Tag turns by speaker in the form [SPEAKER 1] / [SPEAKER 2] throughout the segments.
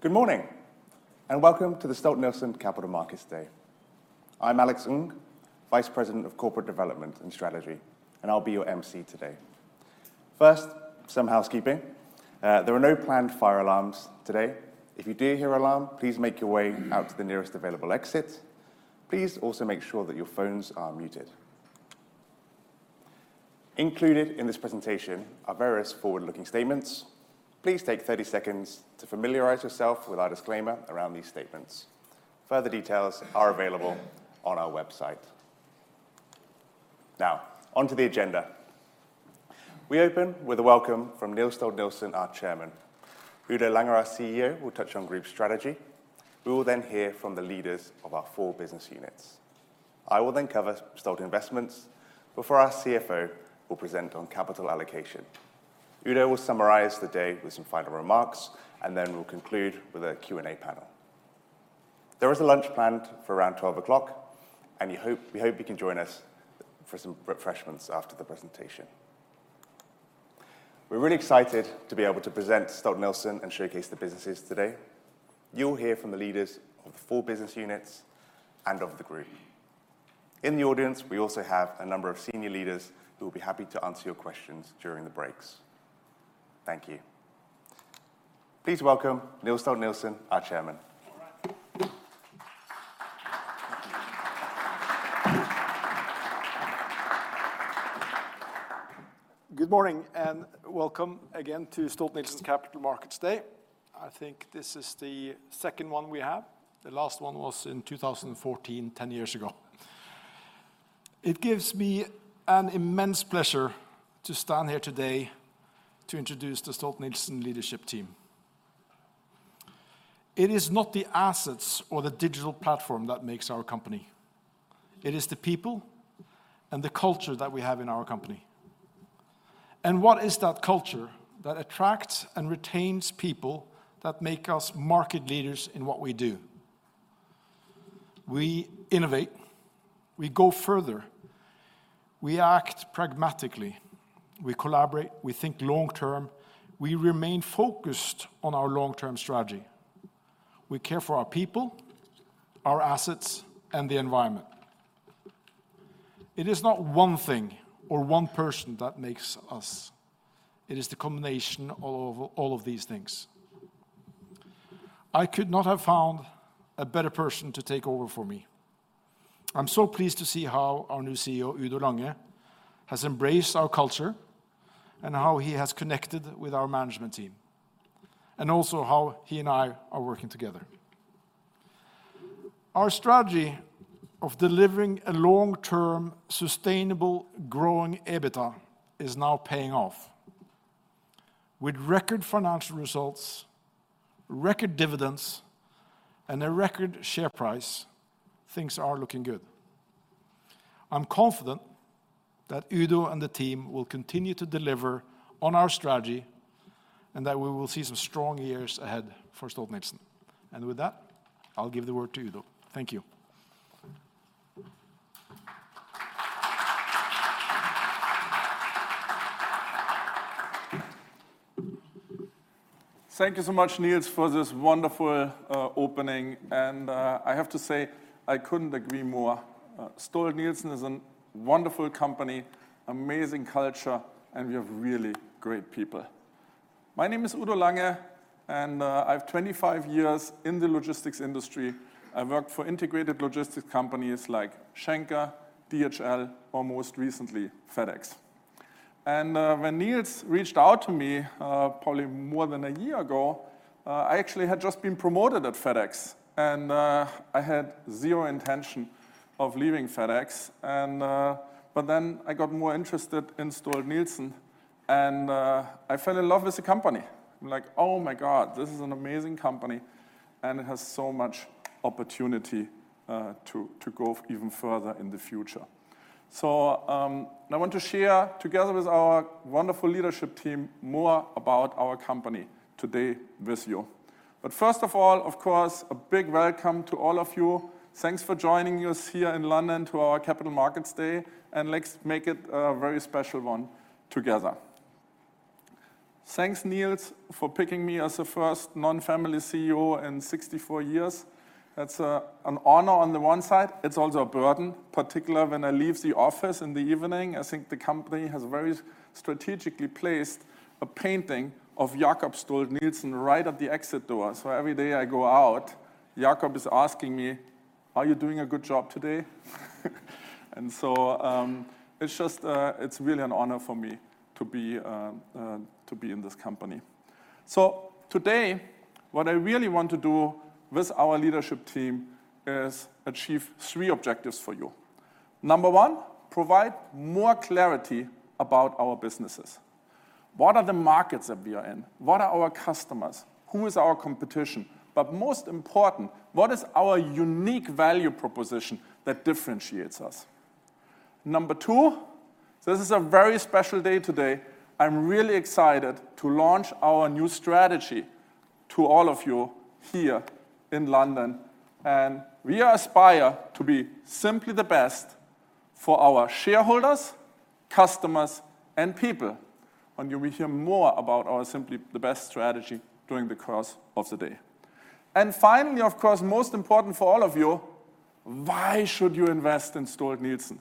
[SPEAKER 1] Good morning, and welcome to the Stolt-Nielsen Capital Markets Day. I'm Alex Ng, Vice President of Corporate Development and Strategy, and I'll be your emcee today. First, some housekeeping. There are no planned fire alarms today. If you do hear an alarm, please make your way out to the nearest available exit. Please also make sure that your phones are muted. Included in this presentation are various forward-looking statements. Please take 30 seconds to familiarize yourself with our disclaimer around these statements. Further details are available on our website. Now, onto the agenda. We open with a welcome from Niels Stolt-Nielsen, our Chairman. Udo Lange, our CEO, will touch on group strategy. We will then hear from the leaders of our four business units. I will then cover Stolt Investments, before our CFO will present on capital allocation. Udo will summarize the day with some final remarks, and then we'll conclude with a Q&A panel. There is a lunch planned for around 12 o'clock, and we hope, we hope you can join us for some refreshments after the presentation. We're really excited to be able to present Stolt-Nielsen and showcase the businesses today. You'll hear from the leaders of the four business units and of the group. In the audience, we also have a number of senior leaders who will be happy to answer your questions during the breaks. Thank you. Please welcome Niels Stolt-Nielsen, our chairman.
[SPEAKER 2] Good morning, and welcome again to Stolt-Nielsen Capital Markets Day. I think this is the second one we have. The last one was in 2014, 10 years ago. It gives me an immense pleasure to stand here today to introduce the Stolt-Nielsen leadership team. It is not the assets or the digital platform that makes our company, it is the people and the culture that we have in our company. And what is that culture that attracts and retains people that make us market leaders in what we do? We innovate, we Go Further, we act pragmatically, we collaborate, we think long term, we remain focused on our long-term strategy. We care for our people, our assets, and the environment. It is not one thing or one person that makes us, it is the combination of all of these things. I could not have found a better person to take over for me. I'm so pleased to see how our new CEO, Udo Lange, has embraced our culture, and how he has connected with our management team, and also how he and I are working together. Our strategy of delivering a long-term, sustainable, growing EBITDA is now paying off. With record financial results, record dividends, and a record share price, things are looking good. I'm confident that Udo and the team will continue to deliver on our strategy, and that we will see some strong years ahead for Stolt-Nielsen. And with that, I'll give the word to Udo. Thank you.
[SPEAKER 3] Thank you so much, Niels, for this wonderful opening, and I have to say, I couldn't agree more. Stolt-Nielsen is a wonderful company, amazing culture, and we have really great people. My name is Udo Lange, and I have 25 years in the logistics industry. I've worked for integrated logistics companies like Schenker, DHL, or most recently, FedEx. And when Niels reached out to me, probably more than a year ago, I actually had just been promoted at FedEx, and I had zero intention of leaving FedEx. And but then I got more interested in Stolt-Nielsen, and I fell in love with the company. I'm like, "Oh, my God, this is an amazing company, and it has so much opportunity to go even further in the future." So, I want to share, together with our wonderful leadership team, more about our company today with you. But first of all, of course, a big welcome to all of you. Thanks for joining us here in London to our Capital Markets Day, and let's make it a very special one together. Thanks, Niels, for picking me as the first non-family CEO in 64 years. That's an honor on the one side; it's also a burden, particularly when I leave the office in the evening. I think the company has very strategically placed a painting of Jacob Stolt-Nielsen right at the exit door. So every day I go out, Jacob is asking me, "Are you doing a good job today?" And so, it's just, it's really an honor for me to be in this company. So today, what I really want to do with our leadership team is achieve three objectives for you. Number one, provide more clarity about our businesses. What are the markets that we are in? What are our customers? Who is our competition? But most important, what is our unique value proposition that differentiates us? Number two, this is a very special day today. I'm really excited to launch our new strategy to all of you here in London, and we aspire to be Simply the Best for our shareholders, customers, and people. And you will hear more about our Simply the Best strategy during the course of the day. Finally, of course, most important for all of you, why should you invest in Stolt-Nielsen?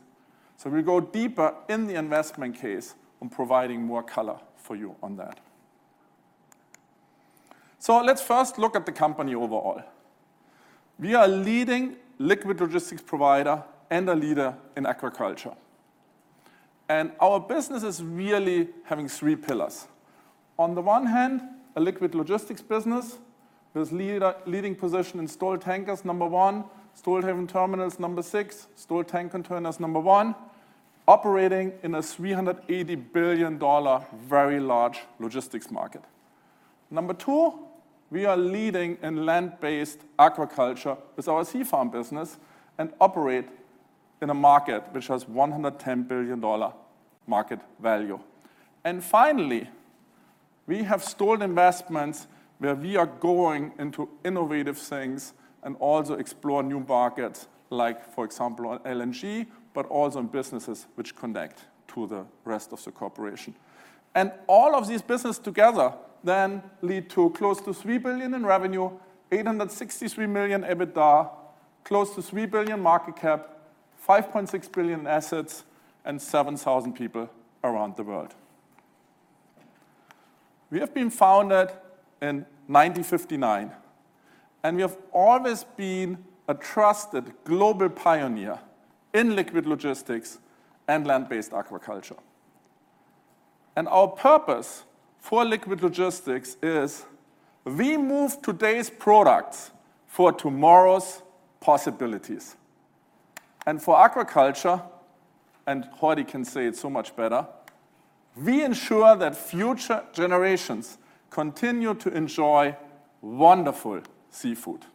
[SPEAKER 3] We go deeper in the investment case on providing more color for you on that. Let's first look at the company overall. We are a leading liquid logistics provider and a leader in aquaculture. Our business is really having three pillars. On the one hand, a liquid logistics business with leading position in Stolt Tankers, number one, Stolthaven Terminals, number six, Stolt Tank Containers, number one, operating in a $380 billion, very large logistics market. Number two, we are leading in land-based aquaculture with our Sea Farm business, and operate in a market which has $110 billion market value. And finally, we have Stolt Investments, where we are going into innovative things and also explore new markets like, for example, on LNG, but also on businesses which connect to the rest of the corporation. And all of these business together then lead to close to $3 billion in revenue, $863 million EBITDA, close to $3 billion market cap, $5.6 billion assets, and 7,000 people around the world. We have been founded in 1959, and we have always been a trusted global pioneer in liquid logistics and land-based aquaculture. And our purpose for liquid logistics is, we move today's products for tomorrow's possibilities. And for aquaculture, and Jordi can say it so much better, we ensure that future generations continue to enjoy wonderful seafood.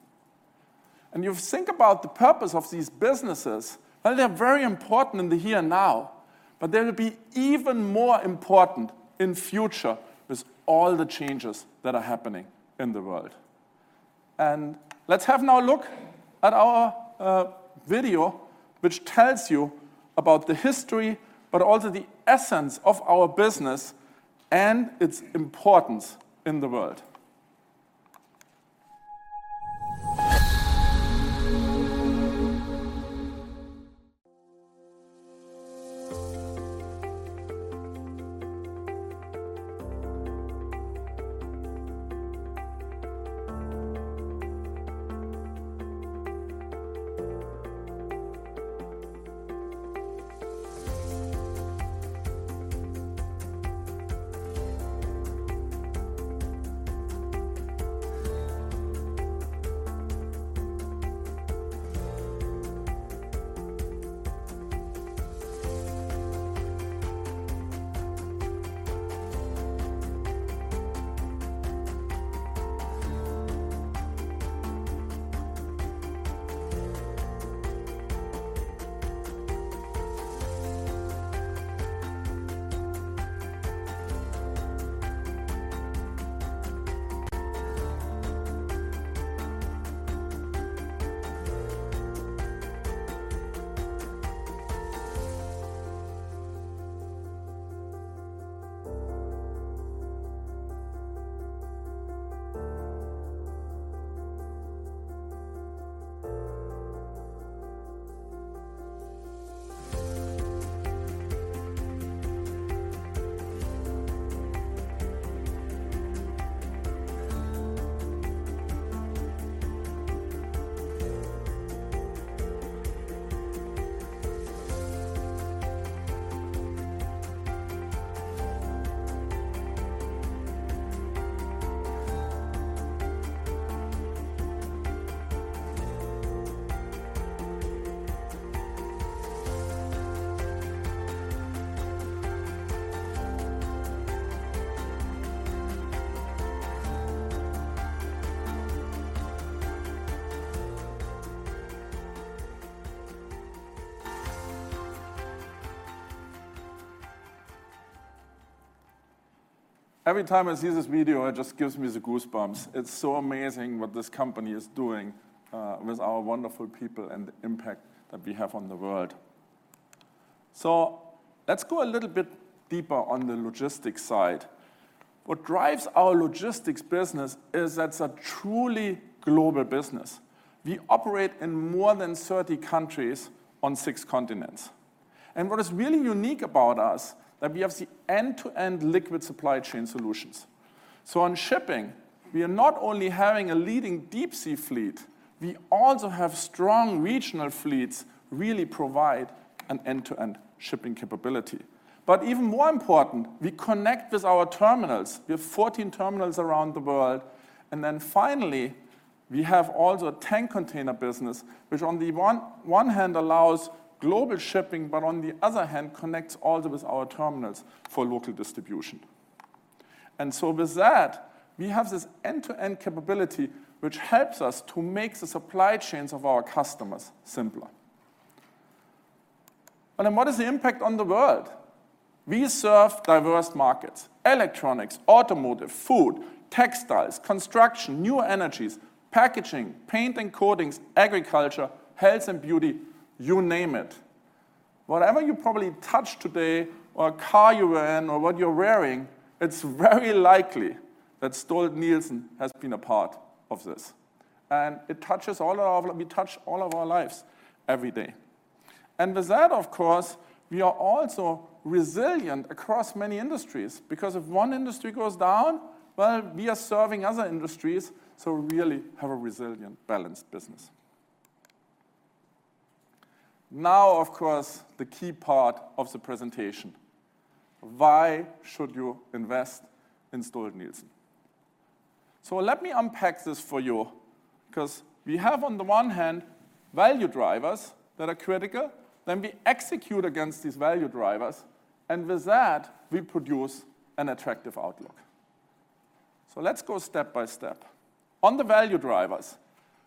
[SPEAKER 3] You think about the purpose of these businesses, and they're very important in the here and now, but they will be even more important in future with all the changes that are happening in the world. Let's have now a look at our video, which tells you about the history, but also the essence of our business and its importance in the world. Every time I see this video, it just gives me the goosebumps. It's so amazing what this company is doing with our wonderful people and the impact that we have on the world. Let's go a little bit deeper on the logistics side. What drives our logistics business is that it's a truly global business. We operate in more than 30 countries on six continents. What is really unique about us, that we have the end-to-end liquid supply chain solutions. So on shipping, we are not only having a leading deep sea fleet, we also have strong regional fleets, really provide an end-to-end shipping capability. But even more important, we connect with our terminals. We have 14 terminals around the world. And then finally, we have also a tank container business, which on the one hand allows global shipping, but on the other hand, connects also with our terminals for local distribution. And so with that, we have this end-to-end capability, which helps us to make the supply chains of our customers simpler. And then what is the impact on the world? We serve diverse markets: electronics, automotive, food, textiles, construction, new energies, packaging, paint and coatings, agriculture, health and beauty, you name it. Whatever you probably touched today, or a car you were in, or what you're wearing, it's very likely that Stolt-Nielsen has been a part of this. And we touch all of our lives every day. And with that, of course, we are also resilient across many industries, because if one industry goes down, well, we are serving other industries, so we really have a resilient, balanced business. Now, of course, the key part of the presentation: Why should you invest in Stolt-Nielsen? So let me unpack this for you, 'cause we have, on the one hand, value drivers that are critical, then we execute against these value drivers, and with that, we produce an attractive outlook. So let's go step by step. On the value drivers,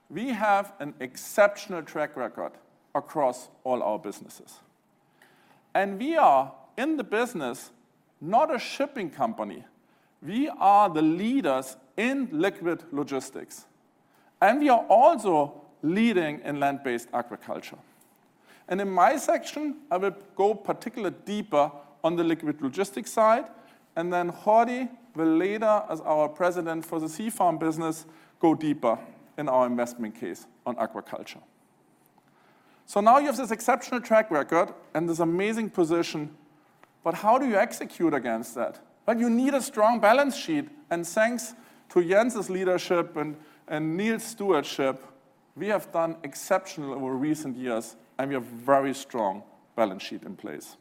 [SPEAKER 3] we have an exceptional track record across all our businesses. We are in the business, not a shipping company. We are the leaders in liquid logistics, and we are also leading in land-based agriculture. In my section, I will go particularly deeper on the liquid logistics side, and then Jordi will later, as our president for the Sea Farm business, go deeper in our investment case on aquaculture. So now you have this exceptional track record and this amazing position, but how do you execute against that? You need a strong balance sheet, and thanks to Jens' leadership and Niels' stewardship, we have done exceptionally over recent years, and we have a very strong balance sheet in place.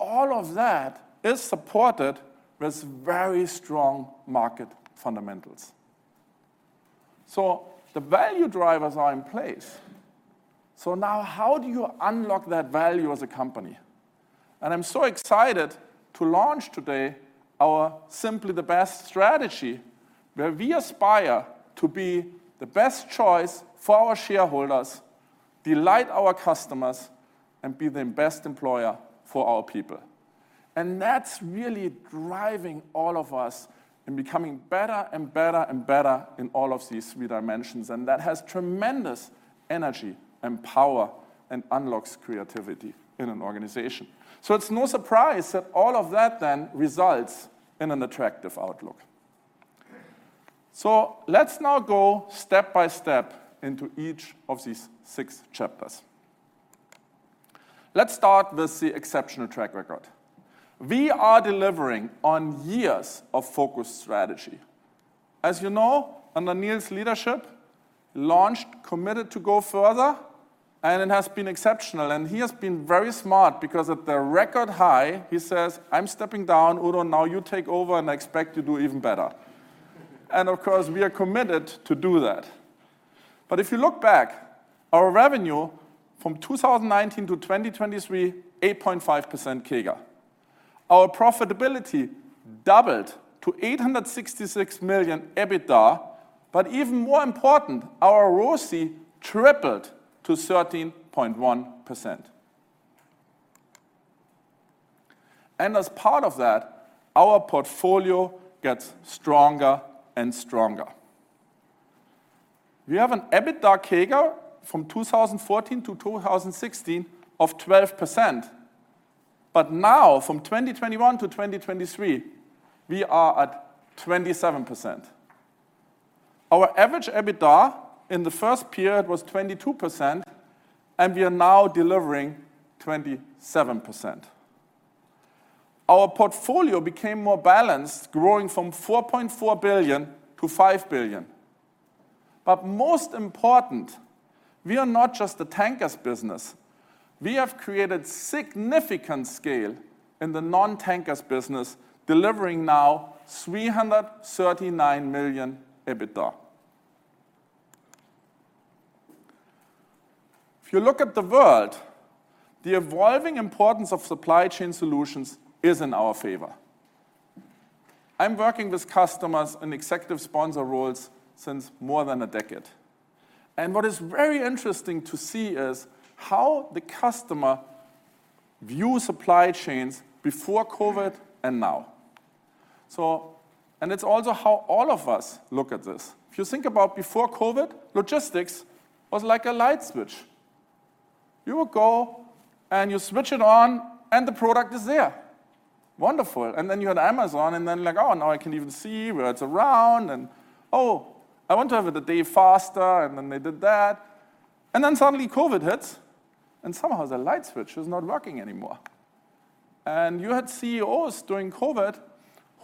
[SPEAKER 3] All of that is supported with very strong market fundamentals. The value drivers are in place. Now, how do you unlock that value as a company? And I'm so excited to launch today our Simply the Best strategy, where we aspire to be the best choice for our shareholders, delight our customers, and be the best employer for our people. And that's really driving all of us in becoming better and better and better in all of these three dimensions, and that has tremendous energy and power and unlocks creativity in an organization. So it's no surprise that all of that then results in an attractive outlook. So let's now go step by step into each of these six chapters. Let's start with the exceptional track record. We are delivering on years of focused strategy. As you know, under Niels' leadership, launched, committed to go further, and it has been exceptional. And he has been very smart because, at the record high, he says, "I'm stepping down. Udo, now you take over, and I expect you to do even better." Of course, we are committed to do that. But if you look back, our revenue from 2019 to 2023, 8.5% CAGR. Our profitability doubled to $866 million EBITDA, but even more important, our ROCE tripled to 13.1%. And as part of that, our portfolio gets stronger and stronger. We have an EBITDA CAGR from 2014 to 2016 of 12%, but now, from 2021 to 2023, we are at 27%. Our average EBITDA in the first period was 22%, and we are now delivering 27%. Our portfolio became more balanced, growing from $4.4 billion to $5 billion. But most important, we are not just a tankers business. We have created significant scale in the non-tankers business, delivering now $339 million EBITDA. If you look at the world, the evolving importance of supply chain solutions is in our favor. I'm working with customers in executive sponsor roles since more than a decade, and what is very interesting to see is how the customer view supply chains before COVID and now. So, and it's also how all of us look at this. If you think about before COVID, logistics was like a light switch. You would go, and you switch it on, and the product is there. Wonderful. And then you had Amazon, and then like, "Oh, now I can even see where it's around," and, "Oh, I want to have it a day faster," and then they did that. And then suddenly COVID hits, and somehow the light switch is not working anymore. You had CEOs during COVID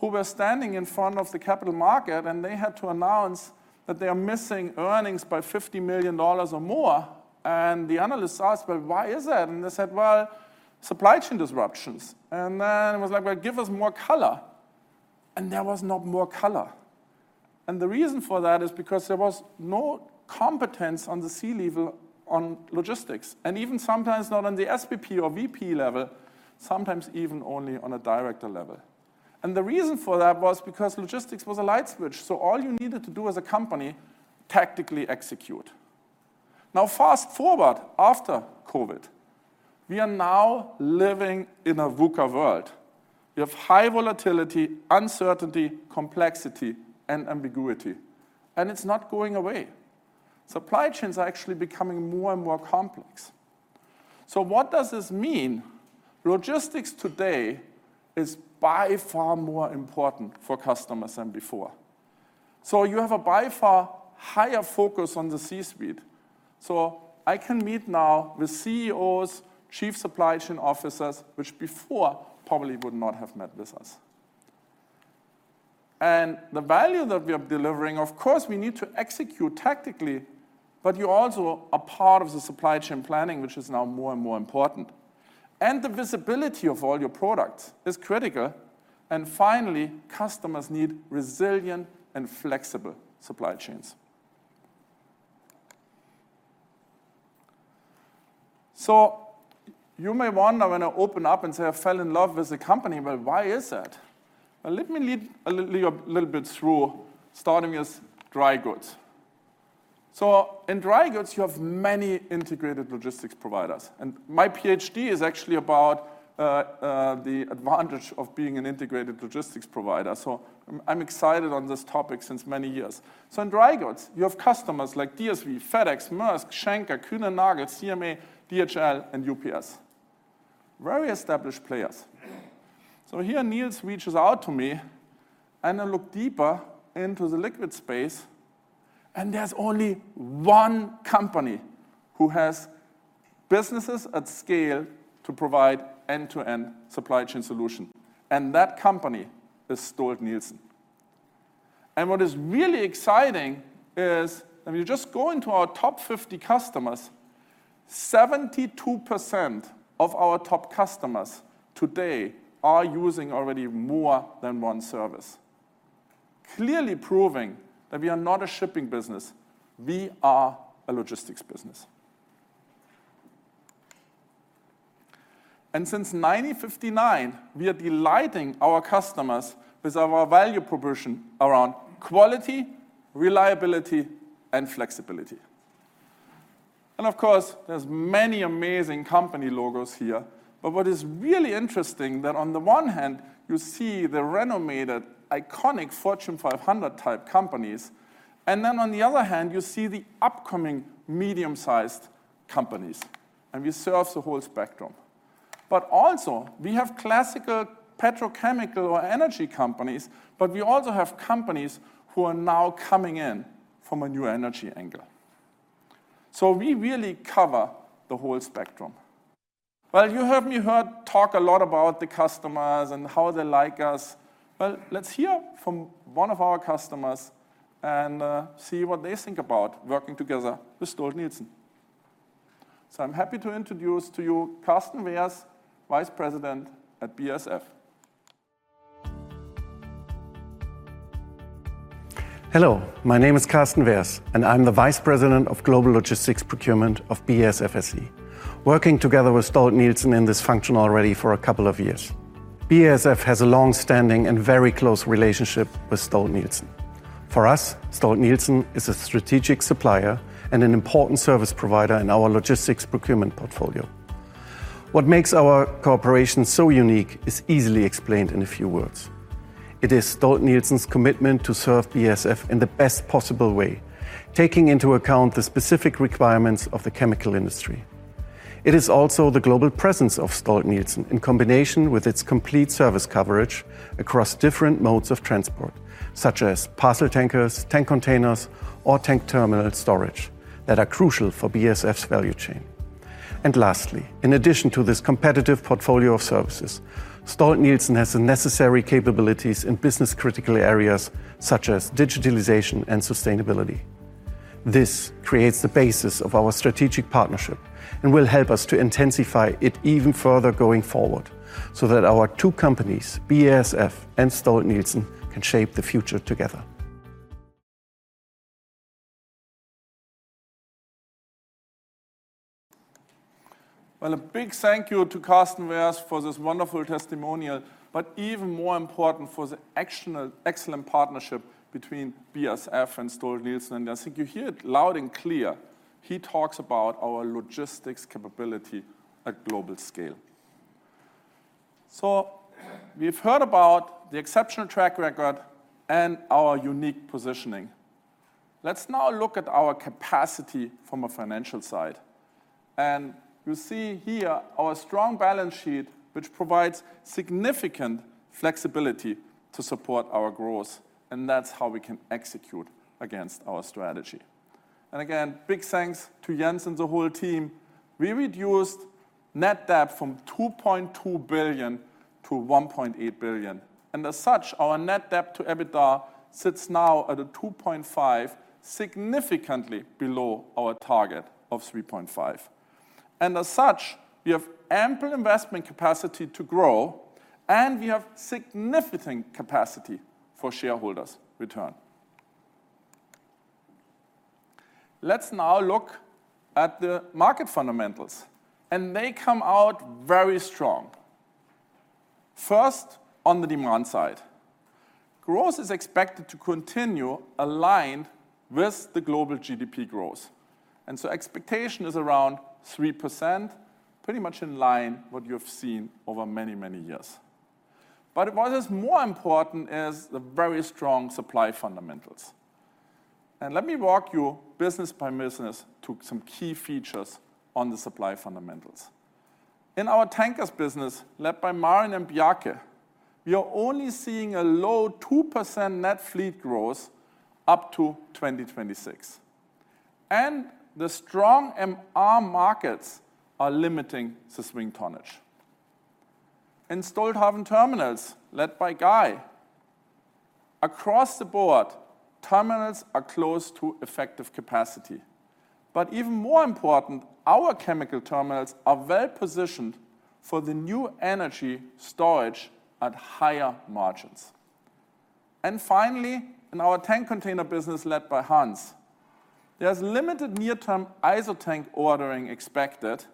[SPEAKER 3] who were standing in front of the capital market, and they had to announce that they are missing earnings by $50 million or more, and the analysts asked, "Well, why is that?" They said, "Well, supply chain disruptions." Then it was like, "Well, give us more color," and there was not more color. The reason for that is because there was no competence on the C level on logistics, and even sometimes not on the SVP or VP level, sometimes even only on a director level. The reason for that was because logistics was a light switch, so all you needed to do as a company, tactically execute. Now fast forward after COVID. We are now living in a VUCA world. We have high volatility, uncertainty, complexity, and ambiguity, and it's not going away. Supply chains are actually becoming more and more complex. So what does this mean? Logistics today is by far more important for customers than before. So you have a by far higher focus on the C-suite. So I can meet now with CEOs, Chief Supply Chain Officers, which before probably would not have met with us. And the value that we are delivering, of course, we need to execute tactically, but you're also a part of the supply chain planning, which is now more and more important. And the visibility of all your products is critical. And finally, customers need resilient and flexible supply chains. So you may wonder when I open up and say I fell in love with the company, well, why is that? Well, let me lead you a little bit through, starting with dry goods. So in dry goods, you have many integrated logistics providers, and my PhD is actually about the advantage of being an integrated logistics provider. So I'm, I'm excited on this topic since many years. So in dry goods, you have customers like DSV, FedEx, Maersk, Schenker, Kuehne+Nagel, CMA, DHL, and UPS. Very established players. So here, Nils reaches out to me, and I look deeper into the liquid space, and there's only one company who has businesses at scale to provide end-to-end supply chain solution, and that company is Stolt-Nielsen. And what is really exciting is, if you just go into our top 50 customers, 72% of our top customers today are using already more than one service, clearly proving that we are not a shipping business, we are a logistics business. Since 1959, we are delighting our customers with our value proposition around quality, reliability, and flexibility. Of course, there's many amazing company logos here, but what is really interesting, that on the one hand, you see the renowned, iconic Fortune 500-type companies, and then on the other hand, you see the upcoming medium-sized companies, and we serve the whole spectrum. But also, we have classical petrochemical or energy companies, but we also have companies who are now coming in from a new energy angle. So we really cover the whole spectrum. Well, you heard me talk a lot about the customers and how they like us. Well, let's hear from one of our customers and see what they think about working together with Stolt-Nielsen. So I'm happy to introduce to you Carsten Weers, Vice President at BASF.
[SPEAKER 4] Hello, my name is Carsten Weers, and I'm the Vice President of Global Logistics Procurement of BASF SE, working together with Stolt-Nielsen in this function already for a couple of years. BASF has a long-standing and very close relationship with Stolt-Nielsen. For us, Stolt-Nielsen is a strategic supplier and an important service provider in our logistics procurement portfolio. What makes our cooperation so unique is easily explained in a few words. It is Stolt-Nielsen's commitment to serve BASF in the best possible way, taking into account the specific requirements of the chemical industry. It is also the global presence of Stolt-Nielsen in combination with its complete service coverage across different modes of transport, such as parcel tankers, tank containers, or tank terminal storage, that are crucial for BASF's value chain. Lastly, in addition to this competitive portfolio of services, Stolt-Nielsen has the necessary capabilities in business-critical areas such as digitalization and sustainability. This creates the basis of our strategic partnership and will help us to intensify it even further going forward, so that our two companies, BASF and Stolt-Nielsen, can shape the future together.
[SPEAKER 3] Well, a big thank you to Carsten Weers for this wonderful testimonial, but even more important, for the excellent, excellent partnership between BASF and Stolt-Nielsen. I think you hear it loud and clear. He talks about our logistics capability at global scale. We've heard about the exceptional track record and our unique positioning. Let's now look at our capacity from a financial side. You see here our strong balance sheet, which provides significant flexibility to support our growth, and that's how we can execute against our strategy. Again, big thanks to Jens and the whole team. We reduced net debt from $2.2 billion to $1.8 billion, and as such, our net debt to EBITDA sits now at 2.5, significantly below our target of 3.5. As such, we have ample investment capacity to grow, and we have significant capacity for shareholders' return. Let's now look at the market fundamentals, and they come out very strong. First, on the demand side, growth is expected to continue aligned with the global GDP growth, and so expectation is around 3%, pretty much in line what you have seen over many, many years. But what is more important is the very strong supply fundamentals. Let me walk you business by business to some key features on the supply fundamentals. In our tankers business, led by Maren and Bjarke, we are only seeing a low 2% net fleet growth up to 2026. And the strong MR markets are limiting the swing tonnage. In Stolthaven Terminals, led by Guy, across the board, terminals are close to effective capacity. But even more important, our chemical terminals are well positioned for the new energy storage at higher margins. And finally, in our tank container business, led by Hans, there's limited near-term ISO tank ordering expected,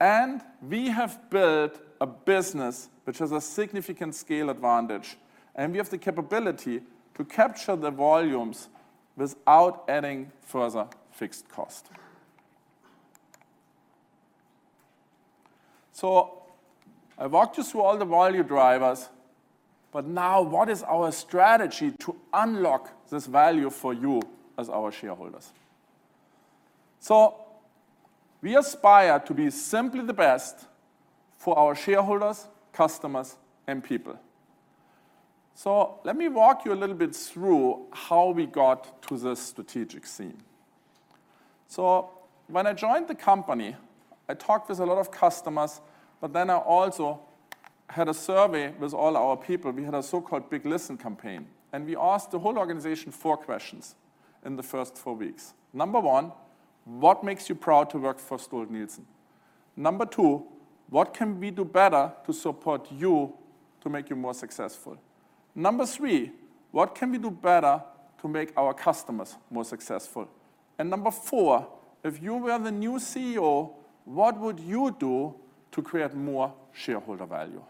[SPEAKER 3] and we have built a business which has a significant scale advantage, and we have the capability to capture the volumes without adding further fixed cost. So I walked you through all the value drivers, but now what is our strategy to unlock this value for you as our shareholders? So we aspire to be Simply the Best for our shareholders, customers, and people. So let me walk you a little bit through how we got to this strategic scene. So when I joined the company, I talked with a lot of customers, but then I also had a survey with all our people. We had a so-called Big Listen campaign, and we asked the whole organization 4 questions in the first 4 weeks. Number 1: What makes you proud to work for Stolt-Nielsen? Number 2: What can we do better to support you to make you more successful? Number 3: What can we do better to make our customers more successful? And number 4: If you were the new CEO, what would you do to create more shareholder value?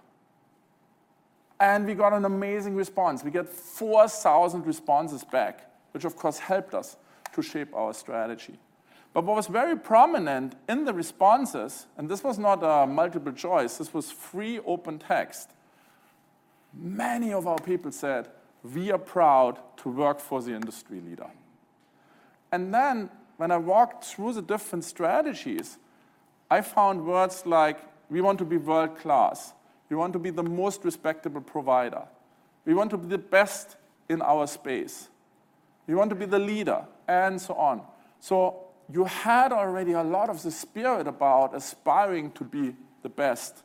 [SPEAKER 3] And we got an amazing response. We get 4,000 responses back, which, of course, helped us to shape our strategy. But what was very prominent in the responses, and this was not a multiple choice, this was free, open text. Many of our people said, "We are proud to work for the industry leader." And then, when I walked through the different strategies, I found words like, "We want to be world-class. We want to be the most respectable provider. We want to be the best in our space. We want to be the leader," and so on. So you had already a lot of the spirit about aspiring to be the best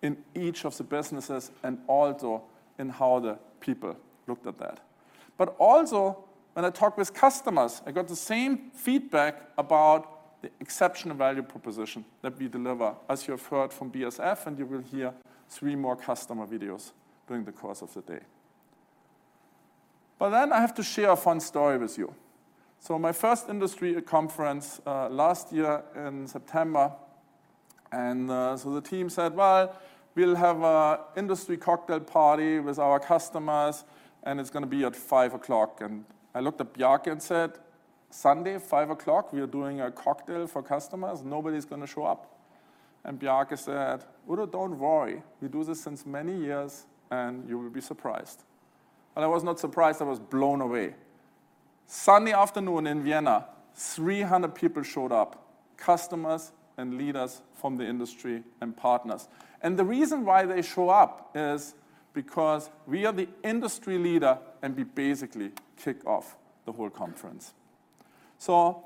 [SPEAKER 3] in each of the businesses and also in how the people looked at that. But also, when I talked with customers, I got the same feedback about the exceptional value proposition that we deliver, as you have heard from BASF, and you will hear three more customer videos during the course of the day. But then I have to share a fun story with you. So my first industry conference last year in September, and so the team said, "Well, we'll have an industry cocktail party with our customers, and it's gonna be at 5:00 P.M." And I looked at Bjarke and said, "Sunday, 5:00 P.M., we are doing a cocktail for customers? Nobody's gonna show up." And Bjarke said, "Udo, don't worry, we do this since many years, and you will be surprised." And I was not surprised, I was blown away. Sunday afternoon in Vienna, 300 people showed up, customers and leaders from the industry and partners. And the reason why they show up is because we are the industry leader, and we basically kick off the whole conference. So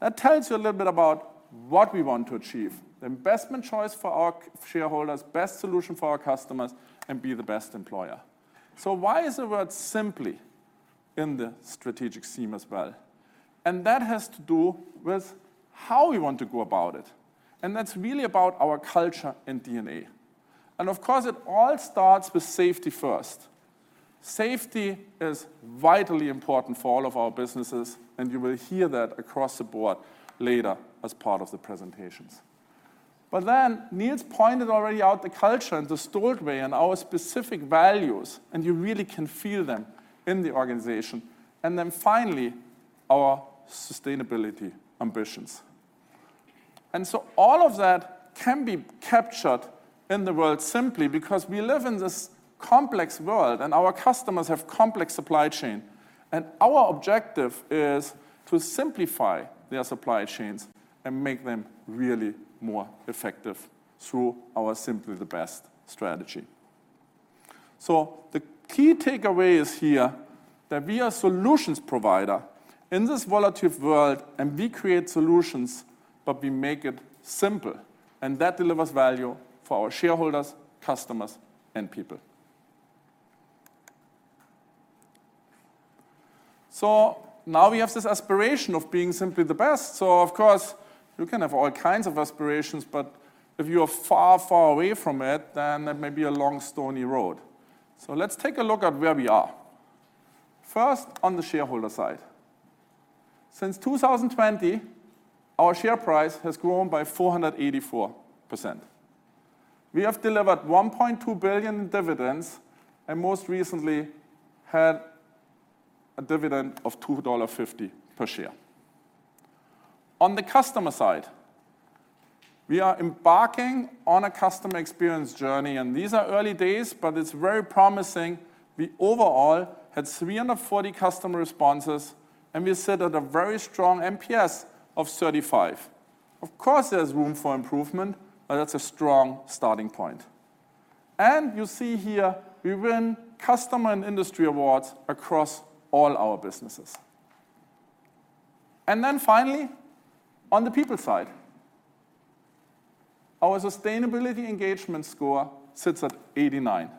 [SPEAKER 3] that tells you a little bit about what we want to achieve. The best choice for our shareholders, best solution for our customers, and be the best employer. So why is the word simply in the strategic theme as well? That has to do with how we want to go about it, and that's really about our culture and DNA. Of course, it all starts with safety first. Safety is vitally important for all of our businesses, and you will hear that across the board later as part of the presentations. But then, Niels pointed already out the culture and the Stolt way and our specific values, and you really can feel them in the organization. Then finally, our sustainability ambitions. So all of that can be captured in the word simply because we live in this complex world, and our customers have complex supply chain. And our objective is to simplify their supply chains and make them really more effective through our Simply the Best strategy. So the key takeaway is here that we are solutions provider in this volatile world, and we create solutions, but we make it simple, and that delivers value for our shareholders, customers, and people. So now we have this aspiration of being Simply the Best. So of course, you can have all kinds of aspirations, but if you are far, far away from it, then that may be a long, stony road. So let's take a look at where we are. First, on the shareholder side. Since 2020, our share price has grown by 484%. We have delivered $1.2 billion in dividends, and most recently had a dividend of $2.50 per share. On the customer side, we are embarking on a customer experience journey, and these are early days, but it's very promising. We overall had 340 customer responses, and we sit at a very strong NPS of 35. Of course, there's room for improvement, but that's a strong starting point. And you see here, we win customer and industry awards across all our businesses. And then finally, on the people side, our sustainability engagement score sits at 89.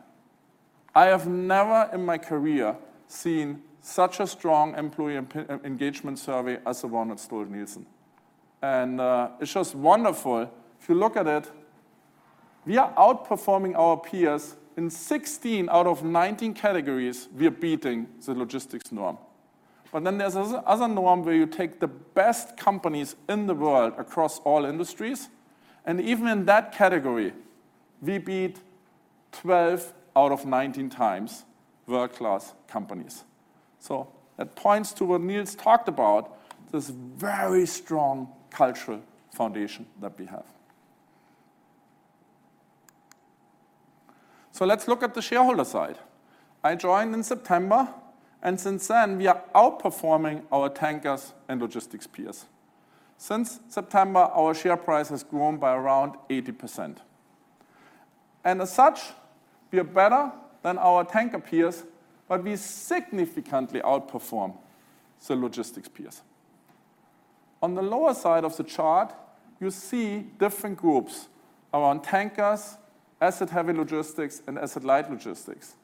[SPEAKER 3] I have never in my career seen such a strong employee engagement survey as the one at Stolt-Nielsen, and it's just wonderful. If you look at it, we are outperforming our peers. In 16 out of 19 categories, we are beating the logistics norm. But then there's this other norm where you take the best companies in the world across all industries, and even in that category, we beat 12 out of 19 times world-class companies. So that points to what Niels talked about, this very strong cultural foundation that we have. So let's look at the shareholder side. I joined in September, and since then, we are outperforming our tankers and logistics peers. Since September, our share price has grown by around 80%. As such, we are better than our tanker peers, but we significantly outperform the logistics peers. On the lower side of the chart, you see different groups around tankers, asset-heavy logistics, and asset-light logistics.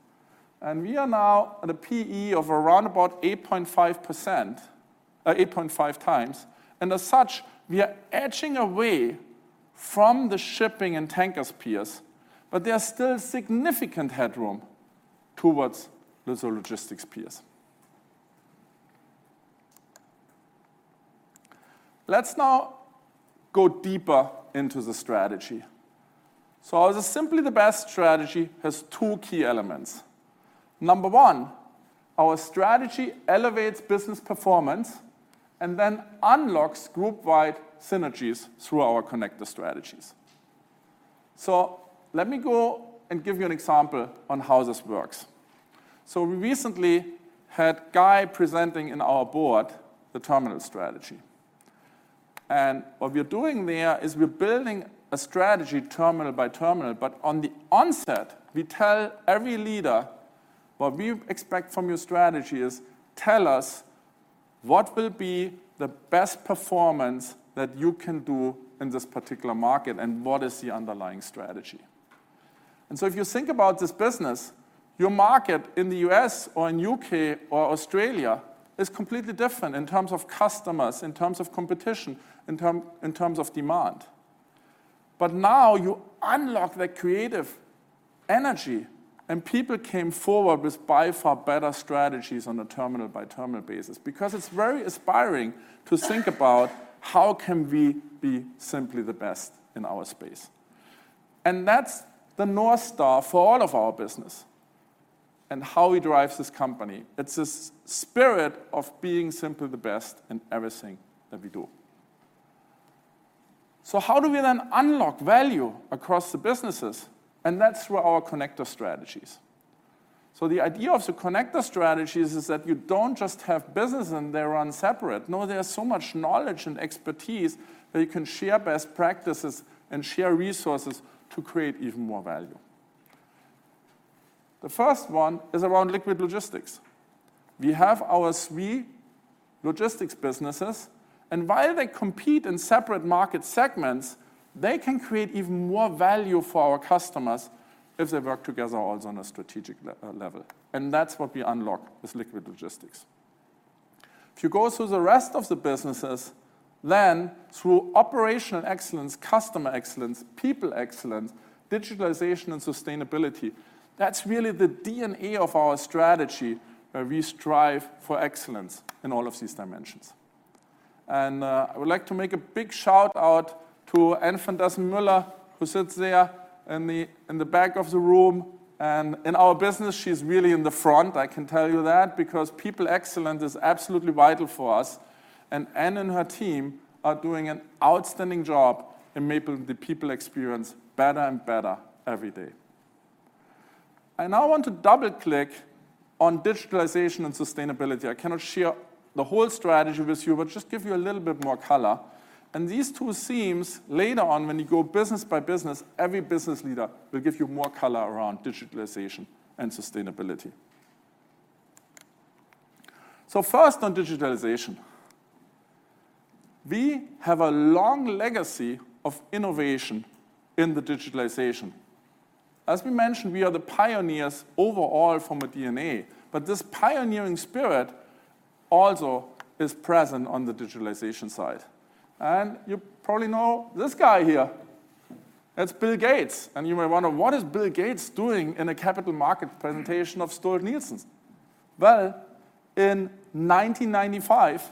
[SPEAKER 3] We are now at a P/E of around about 8.5%, 8.5 times, and as such, we are edging away from the shipping and tankers peers, but there are still significant headroom towards the logistics peers. Let's now go deeper into the strategy. Our Simply the Best strategy has two key elements. Number one, our strategy elevates business performance and then unlocks group-wide synergies through our connector strategies. Let me go and give you an example on how this works. So we recently had Guy Bessant presenting in our board the terminal strategy. And what we are doing there is we're building a strategy terminal by terminal, but on the onset, we tell every leader, "What we expect from your strategy is, tell us what will be the best performance that you can do in this particular market, and what is the underlying strategy?" And so if you think about this business, your market in the U.S. or in U.K. or Australia is completely different in terms of customers, in terms of competition, in terms of demand. But now you unlock that creative energy, and people came forward with by far better strategies on a terminal-by-terminal basis. Because it's very inspiring to think about, how can we be simply the best in our space? And that's the North Star for all of our business and how we drive this company. It's this spirit of being simply the best in everything that we do. So how do we then unlock value across the businesses? And that's through our connector strategies. So the idea of the connector strategies is that you don't just have businesses and they run separate. No, there is so much knowledge and expertise that you can share best practices and share resources to create even more value. The first one is around liquid logistics. We have our three logistics businesses, and while they compete in separate market segments, they can create even more value for our customers if they work together also on a strategic level, and that's what we unlock with liquid logistics. If you go through the rest of the businesses, then through operational excellence, customer excellence, people excellence, digitalization, and sustainability, that's really the DNA of our strategy, where we strive for excellence in all of these dimensions. And, I would like to make a big shout-out to Anne van Essen, who sits there in the, in the back of the room, and in our business, she's really in the front, I can tell you that, because people excellence is absolutely vital for us, and Anne and her team are doing an outstanding job in making the people experience better and better every day. I now want to double-click on digitalization and sustainability. I cannot share the whole strategy with you, but just give you a little bit more color. These two themes, later on, when you go business by business, every business leader will give you more color around digitalization and sustainability. So first, on digitalization. We have a long legacy of innovation in the digitalization. As we mentioned, we are the pioneers overall from a DNA, but this pioneering spirit also is present on the digitalization side. And you probably know this guy here. That's Bill Gates, and you may wonder, what is Bill Gates doing in a capital market presentation of Stolt-Nielsen? Well, in 1995,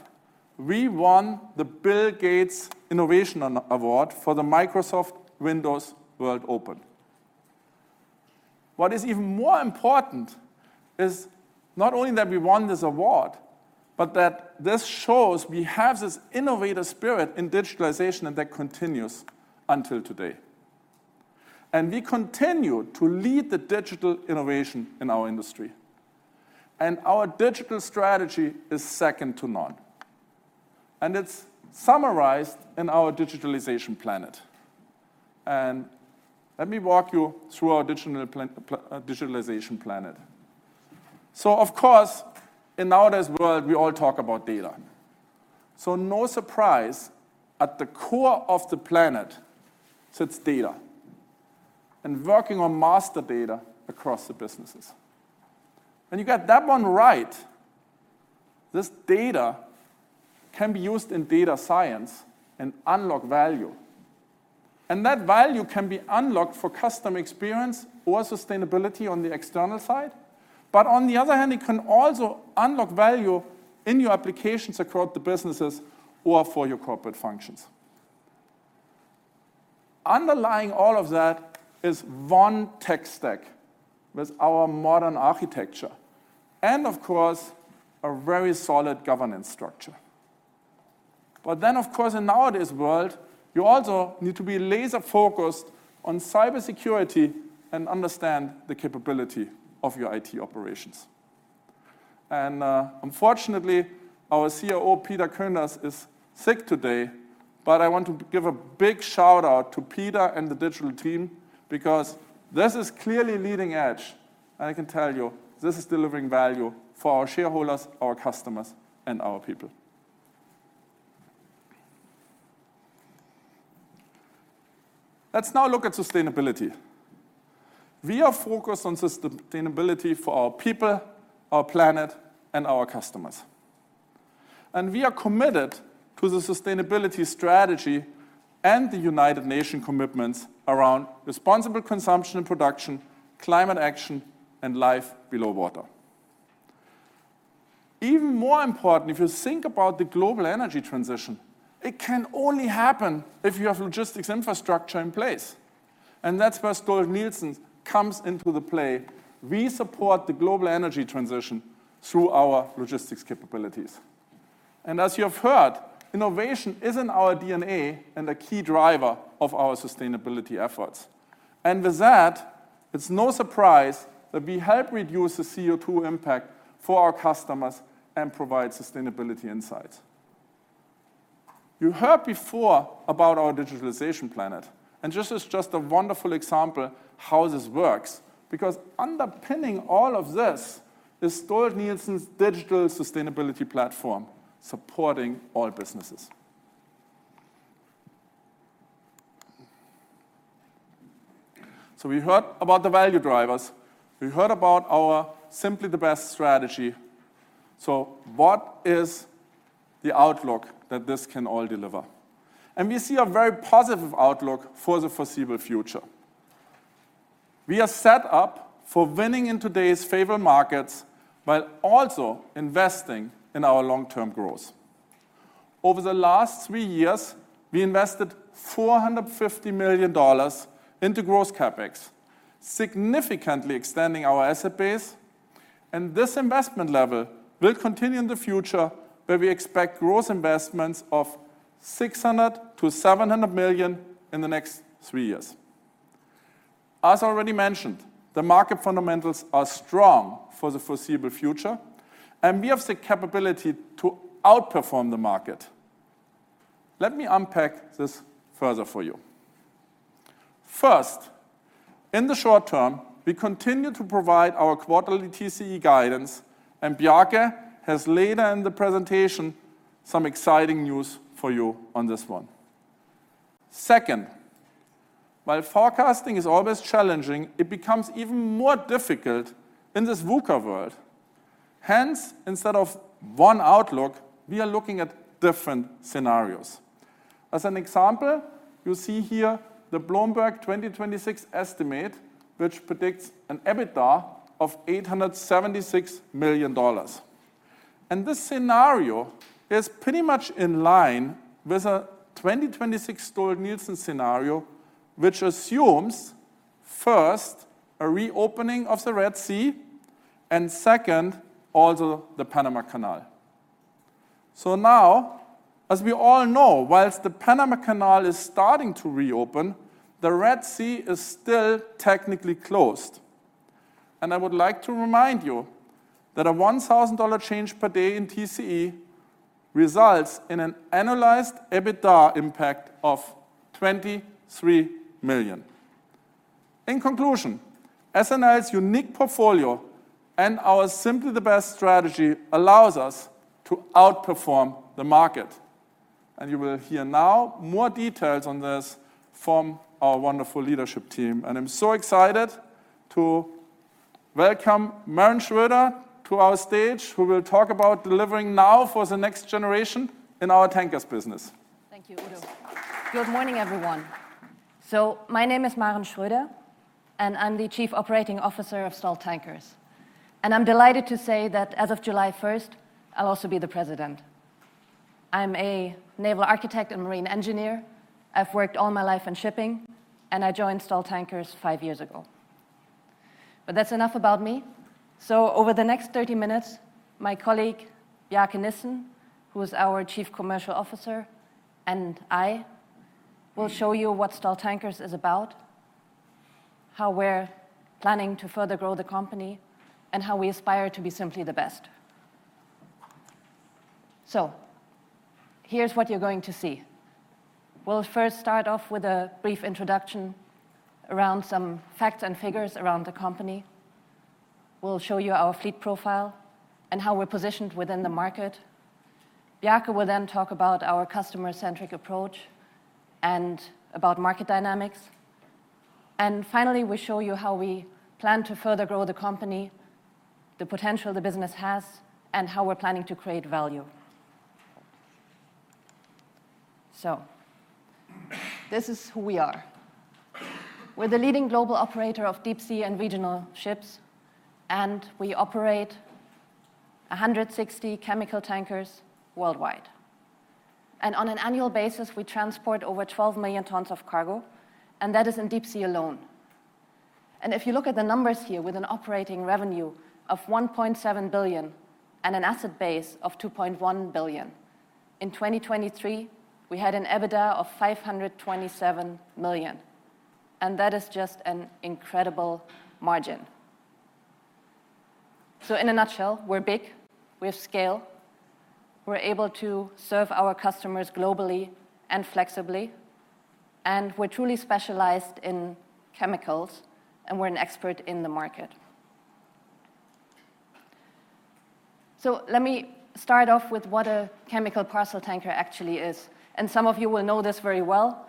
[SPEAKER 3] we won the Bill Gates Innovation Award for the Microsoft Windows World Open. What is even more important is not only that we won this award, but that this shows we have this innovative spirit in digitalization, and that continues until today. We continue to lead the digital innovation in our industry, and our digital strategy is second to none, and it's summarized in our Digitalization Planet. Let me walk you through our Digitalization Planet. So of course, in nowadays world, we all talk about data. So no surprise, at the core of the planet sits data and working on master data across the businesses. When you get that one right, this data can be used in data science and unlock value, and that value can be unlocked for customer experience or sustainability on the external side. But on the other hand, it can also unlock value in your applications across the businesses or for your corporate functions. Underlying all of that is one tech stack with our modern architecture and, of course, a very solid governance structure. But then, of course, in nowadays world, you also need to be laser-focused on cybersecurity and understand the capability of your IT operations. And, unfortunately, our CIO, Peter Koenders, is sick today, but I want to give a big shout-out to Peter and the digital team because this is clearly leading edge, and I can tell you, this is delivering value for our shareholders, our customers, and our people. Let's now look at sustainability. We are focused on sustainability for our people, our planet, and our customers. And we are committed to the sustainability strategy and the United Nations commitments around Responsible Consumption and Production, Climate Action, and Life Below Water. Even more important, if you think about the global energy transition, it can only happen if you have logistics infrastructure in place, and that's where Stolt-Nielsen comes into the play. We support the global energy transition through our logistics capabilities. As you have heard, innovation is in our DNA and a key driver of our sustainability efforts. With that, it's no surprise that we help reduce the CO2 impact for our customers and provide sustainability insights. You heard before about our Digitalization Planet, and this is just a wonderful example how this works, because underpinning all of this is Stolt-Nielsen's digital sustainability platform, supporting all businesses. We heard about the value drivers. We heard about our Simply the Best strategy. What is the outlook that this can all deliver? We see a very positive outlook for the foreseeable future. We are set up for winning in today's favored markets, while also investing in our long-term growth. Over the last three years, we invested $450 million into growth CapEx, significantly extending our asset base, and this investment level will continue in the future, where we expect growth investments of $600 million-$700 million in the next three years. As already mentioned, the market fundamentals are strong for the foreseeable future, and we have the capability to outperform the market. Let me unpack this further for you. First, in the short term, we continue to provide our quarterly TCE guidance, and Bjarke has later in the presentation, some exciting news for you on this one. Second, while forecasting is always challenging, it becomes even more difficult in this VUCA world. Hence, instead of one outlook, we are looking at different scenarios. As an example, you see here the Bloomberg 2026 estimate, which predicts an EBITDA of $876 million. This scenario is pretty much in line with a 2026 Stolt-Nielsen scenario, which assumes, first, a reopening of the Red Sea, and second, also the Panama Canal. So now, as we all know, while the Panama Canal is starting to reopen, the Red Sea is still technically closed. And I would like to remind you that a $1,000 change per day in TCE results in an annualized EBITDA impact of $23 million. In conclusion, SNI's unique portfolio and our Simply the Best strategy allows us to outperform the market. And you will hear now more details on this from our wonderful leadership team. And I'm so excited. Welcome, Maren Schroeder, to our stage, who will talk about delivering now for the next generation in our tankers business.
[SPEAKER 5] Thank you, Udo. Good morning, everyone. My name is Maren Schroeder, and I'm the Chief Operating Officer of Stolt Tankers. And I'm delighted to say that as of July 1st, I'll also be the president. I'm a naval architect and marine engineer. I've worked all my life in shipping, and I joined Stolt Tankers five years ago. But that's enough about me. Over the next 30 minutes, my colleague, Bjarke Nissen, who is our Chief Commercial Officer, and I will show you what Stolt Tankers is about, how we're planning to further grow the company, and how we aspire to be simply the best. Here's what you're going to see. We'll first start off with a brief introduction around some facts and figures around the company. We'll show you our fleet profile and how we're positioned within the market. Bjarke will then talk about our customer-centric approach and about market dynamics. Finally, we'll show you how we plan to further grow the company, the potential the business has, and how we're planning to create value. So, this is who we are. We're the leading global operator of deep sea and regional ships, and we operate 160 chemical tankers worldwide. On an annual basis, we transport over 12 million tons of cargo, and that is in deep sea alone. If you look at the numbers here, with an operating revenue of $1.7 billion and an asset base of $2.1 billion, in 2023, we had an EBITDA of $527 million, and that is just an incredible margin. So in a nutshell, we're big, we have scale, we're able to serve our customers globally and flexibly, and we're truly specialized in chemicals, and we're an expert in the market. So let me start off with what a chemical parcel tanker actually is, and some of you will know this very well.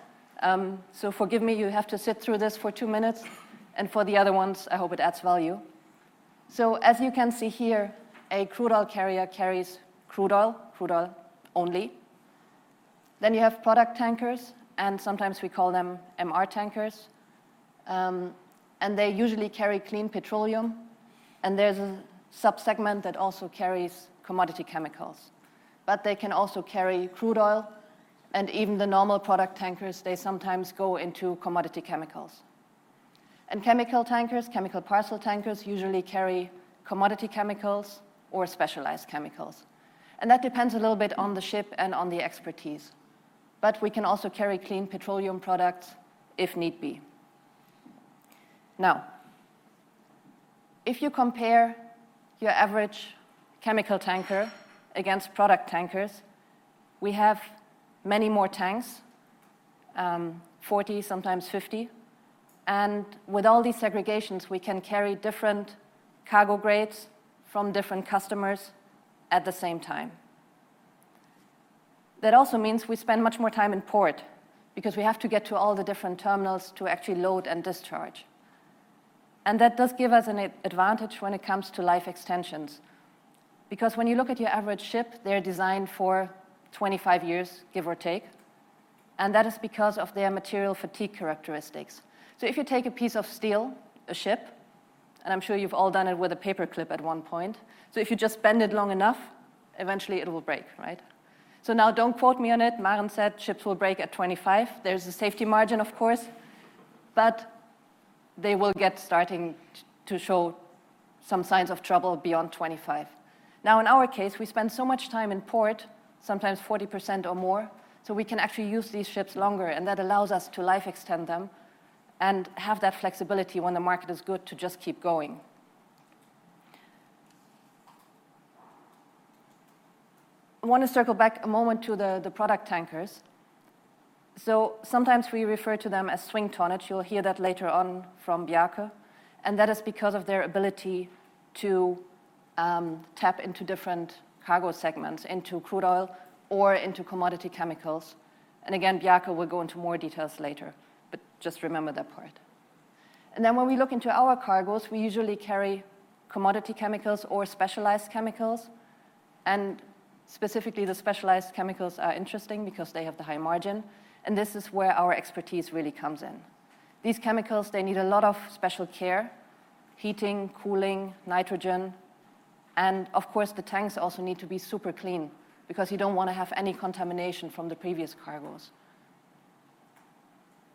[SPEAKER 5] Forgive me, you have to sit through this for two minutes, and for the other ones, I hope it adds value. As you can see here, a crude oil carrier carries crude oil, crude oil only. You have product tankers, and sometimes we call them MR tankers, and they usually carry clean petroleum, and there's a sub-segment that also carries commodity chemicals. They can also carry crude oil, and even the normal product tankers, they sometimes go into commodity chemicals. Chemical tankers, chemical parcel tankers, usually carry commodity chemicals or specialized chemicals. That depends a little bit on the ship and on the expertise. We can also carry clean petroleum products if need be. Now, if you compare your average chemical tanker against product tankers, we have many more tanks, 40, sometimes 50, and with all these segregations, we can carry different cargo grades from different customers at the same time. That also means we spend much more time in port, because we have to get to all the different terminals to actually load and discharge. And that does give us an advantage when it comes to life extensions, because when you look at your average ship, they're designed for 25 years, give or take, and that is because of their material fatigue characteristics. So if you take a piece of steel, a ship, and I'm sure you've all done it with a paperclip at one point, so if you just bend it long enough, eventually it will break, right? So now, don't quote me on it, "Maren said ships will break at 25." There's a safety margin, of course, but they will get starting to show some signs of trouble beyond 25. Now, in our case, we spend so much time in port, sometimes 40% or more, so we can actually use these ships longer, and that allows us to life extend them and have that flexibility when the market is good to just keep going. I want to circle back a moment to the product tankers. So sometimes we refer to them as swing tonnage. You'll hear that later on from Bjarke, and that is because of their ability to tap into different cargo segments, into crude oil or into commodity chemicals. And again, Bjarke will go into more details later, but just remember that part. And then when we look into our cargoes, we usually carry commodity chemicals or specialized chemicals, and specifically, the specialized chemicals are interesting because they have the high margin, and this is where our expertise really comes in. These chemicals, they need a lot of special care: heating, cooling, nitrogen, and of course, the tanks also need to be super clean because you don't want to have any contamination from the previous cargoes.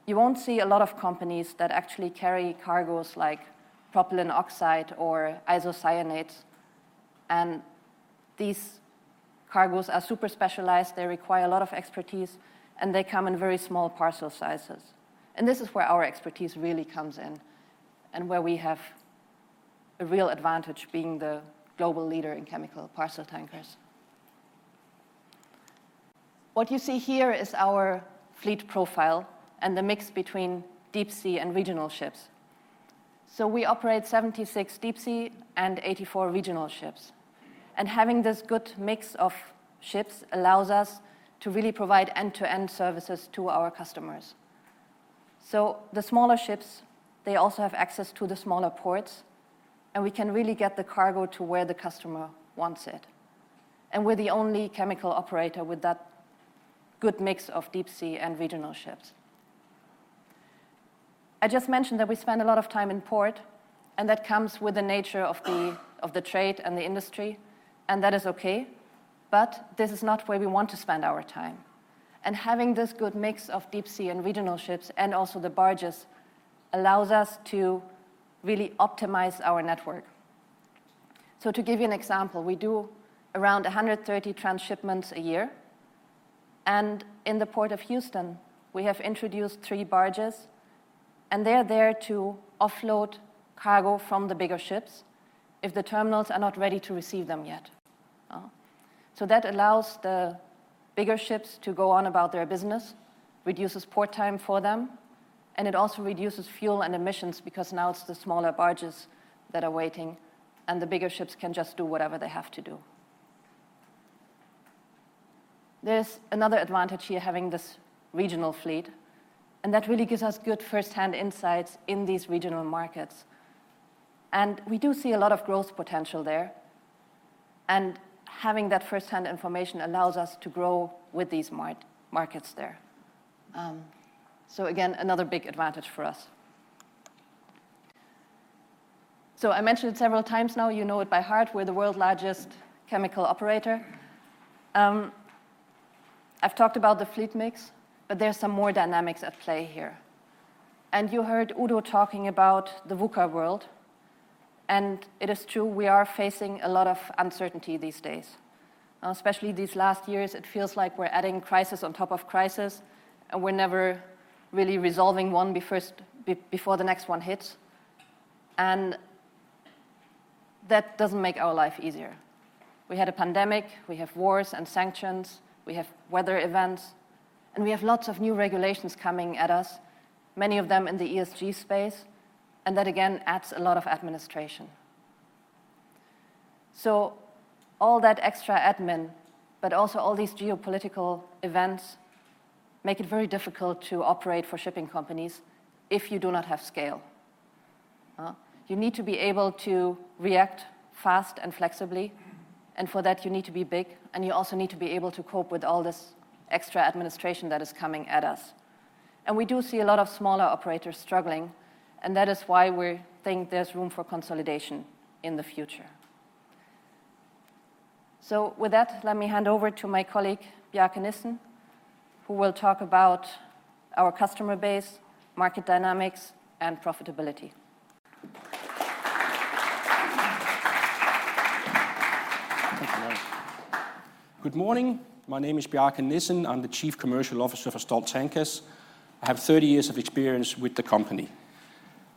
[SPEAKER 5] You won't see a lot of companies that actually carry cargoes like propylene oxide or isocyanates, and these cargoes are super specialized. They require a lot of expertise, and they come in very small parcel sizes. And this is where our expertise really comes in and where we have a real advantage being the global leader in Chemical Parcel Tankers. What you see here is our fleet profile and the mix between deep-sea and regional ships. So we operate 76 deep-sea and 84 regional ships, and having this good mix of ships allows us to really provide end-to-end services to our customers. So the smaller ships, they also have access to the smaller ports, and we can really get the cargo to where the customer wants it. And we're the only chemical operator with that good mix of deep-sea and regional ships. I just mentioned that we spend a lot of time in port, and that comes with the nature of the, of the trade and the industry, and that is okay, but this is not where we want to spend our time. And having this good mix of deep-sea and regional ships, and also the barges, allows us to really optimize our network. So to give you an example, we do around 130 transshipments a year, and in the port of Houston, we have introduced three barges, and they're there to offload cargo from the bigger ships if the terminals are not ready to receive them yet. So that allows the bigger ships to go on about their business, reduces port time for them, and it also reduces fuel and emissions, because now it's the smaller barges that are waiting, and the bigger ships can just do whatever they have to do. There's another advantage here, having this regional fleet, and that really gives us good first-hand insights in these regional markets. We do see a lot of growth potential there, and having that first-hand information allows us to grow with these markets there. So again, another big advantage for us. So I mentioned several times now, you know it by heart, we're the world's largest chemical operator. I've talked about the fleet mix, but there are some more dynamics at play here. And you heard Udo talking about the VUCA world, and it is true, we are facing a lot of uncertainty these days. Especially these last years, it feels like we're adding crisis on top of crisis, and we're never really resolving one before the next one hits. And that doesn't make our life easier. We had a pandemic, we have wars and sanctions, we have weather events, and we have lots of new regulations coming at us, many of them in the ESG space, and that, again, adds a lot of administration. So all that extra admin, but also all these geopolitical events, make it very difficult to operate for shipping companies if you do not have scale. You need to be able to react fast and flexibly, and for that, you need to be big, and you also need to be able to cope with all this extra administration that is coming at us. And we do see a lot of smaller operators struggling, and that is why we think there's room for consolidation in the future. So with that, let me hand over to my colleague, Bjarke Nissen, who will talk about our customer base, market dynamics, and profitability.
[SPEAKER 6] Thank you, Maren. Good morning. My name is Bjarke Nissen. I'm the Chief Commercial Officer for Stolt Tankers. I have 30 years of experience with the company.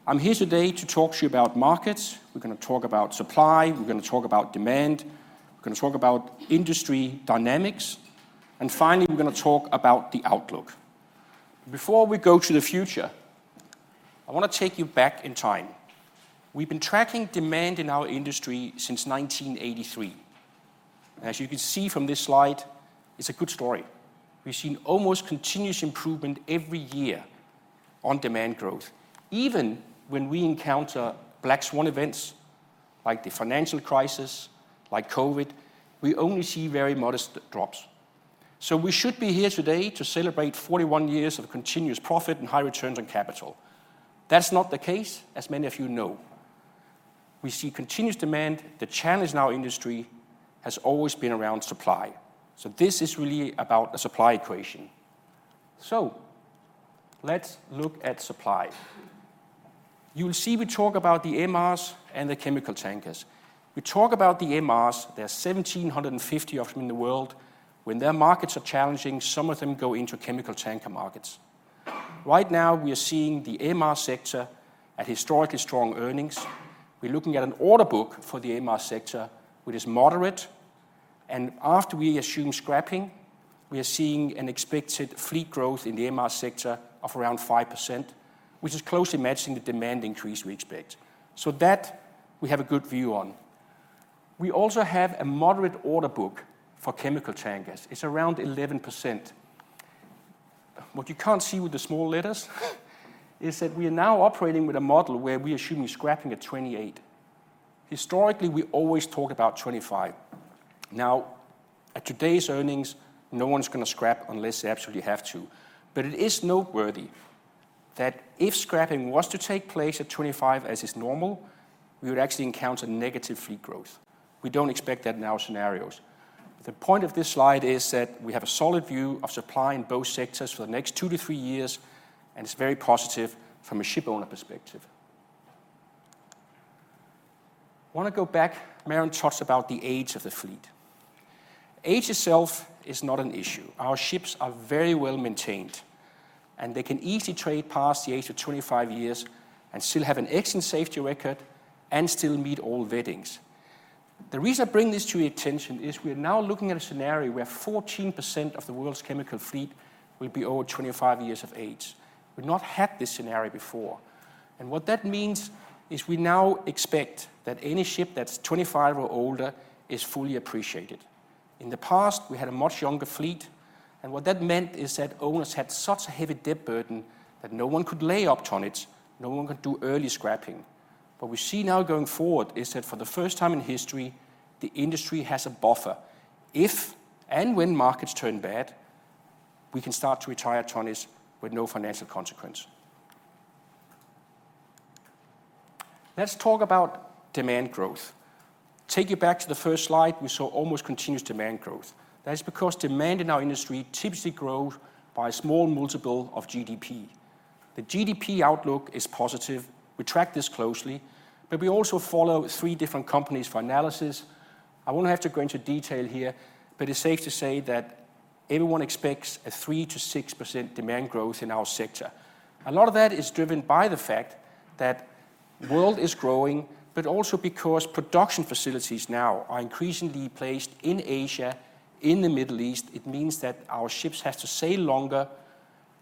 [SPEAKER 6] I'm here today to talk to you about markets. We're gonna talk about supply, we're gonna talk about demand, we're gonna talk about industry dynamics, and finally, we're gonna talk about the outlook. Before we go to the future, I wanna take you back in time. We've been tracking demand in our industry since 1983, and as you can see from this slide, it's a good story. We've seen almost continuous improvement every year on demand growth. Even when we encounter black swan events, like the financial crisis, like COVID, we only see very modest drops. So we should be here today to celebrate 41 years of continuous profit and high returns on capital. That's not the case, as many of you know. We see continuous demand. The challenge in our industry has always been around supply, so this is really about a supply equation. So let's look at supply. You'll see we talk about the MRs and the chemical tankers. We talk about the MRs, there are 1,750 of them in the world. When their markets are challenging, some of them go into chemical tanker markets. Right now, we are seeing the MR sector at historically strong earnings. We're looking at an order book for the MR sector, which is moderate, and after we assume scrapping, we are seeing an expected fleet growth in the MR sector of around 5%, which is closely matching the demand increase we expect. So that, we have a good view on. We also have a moderate order book for chemical tankers. It's around 11%. What you can't see with the small letters is that we are now operating with a model where we are assuming scrapping at 28. Historically, we always talk about 25. Now, at today's earnings, no one's gonna scrap unless they absolutely have to. But it is noteworthy that if scrapping was to take place at 25, as is normal, we would actually encounter negative fleet growth. We don't expect that in our scenarios. The point of this slide is that we have a solid view of supply in both sectors for the next 2-3 years, and it's very positive from a ship owner perspective. I wanna go back, Maren talked about the age of the fleet. Age itself is not an issue. Our ships are very well-maintained, and they can easily trade past the age of 25 years and still have an excellent safety record and still meet all ratings. The reason I bring this to your attention is, we are now looking at a scenario where 14% of the world's chemical fleet will be over 25 years of age. We've not had this scenario before, and what that means is, we now expect that any ship that's 25 or older is fully appreciated. In the past, we had a much younger fleet, and what that meant is that owners had such a heavy debt burden that no one could lay up tonnages, no one could do early scrapping. What we see now going forward is that for the first time in history, the industry has a buffer. If and when markets turn bad, we can start to retire tonnages with no financial consequence. Let's talk about demand growth. Take you back to the first slide, we saw almost continuous demand growth. That is because demand in our industry typically grows by a small multiple of GDP. The GDP outlook is positive. We track this closely, but we also follow three different companies for analysis. I won't have to go into detail here, but it's safe to say that everyone expects a 3%-6% demand growth in our sector. A lot of that is driven by the fact that the world is growing, but also because production facilities now are increasingly placed in Asia, in the Middle East. It means that our ships have to sail longer.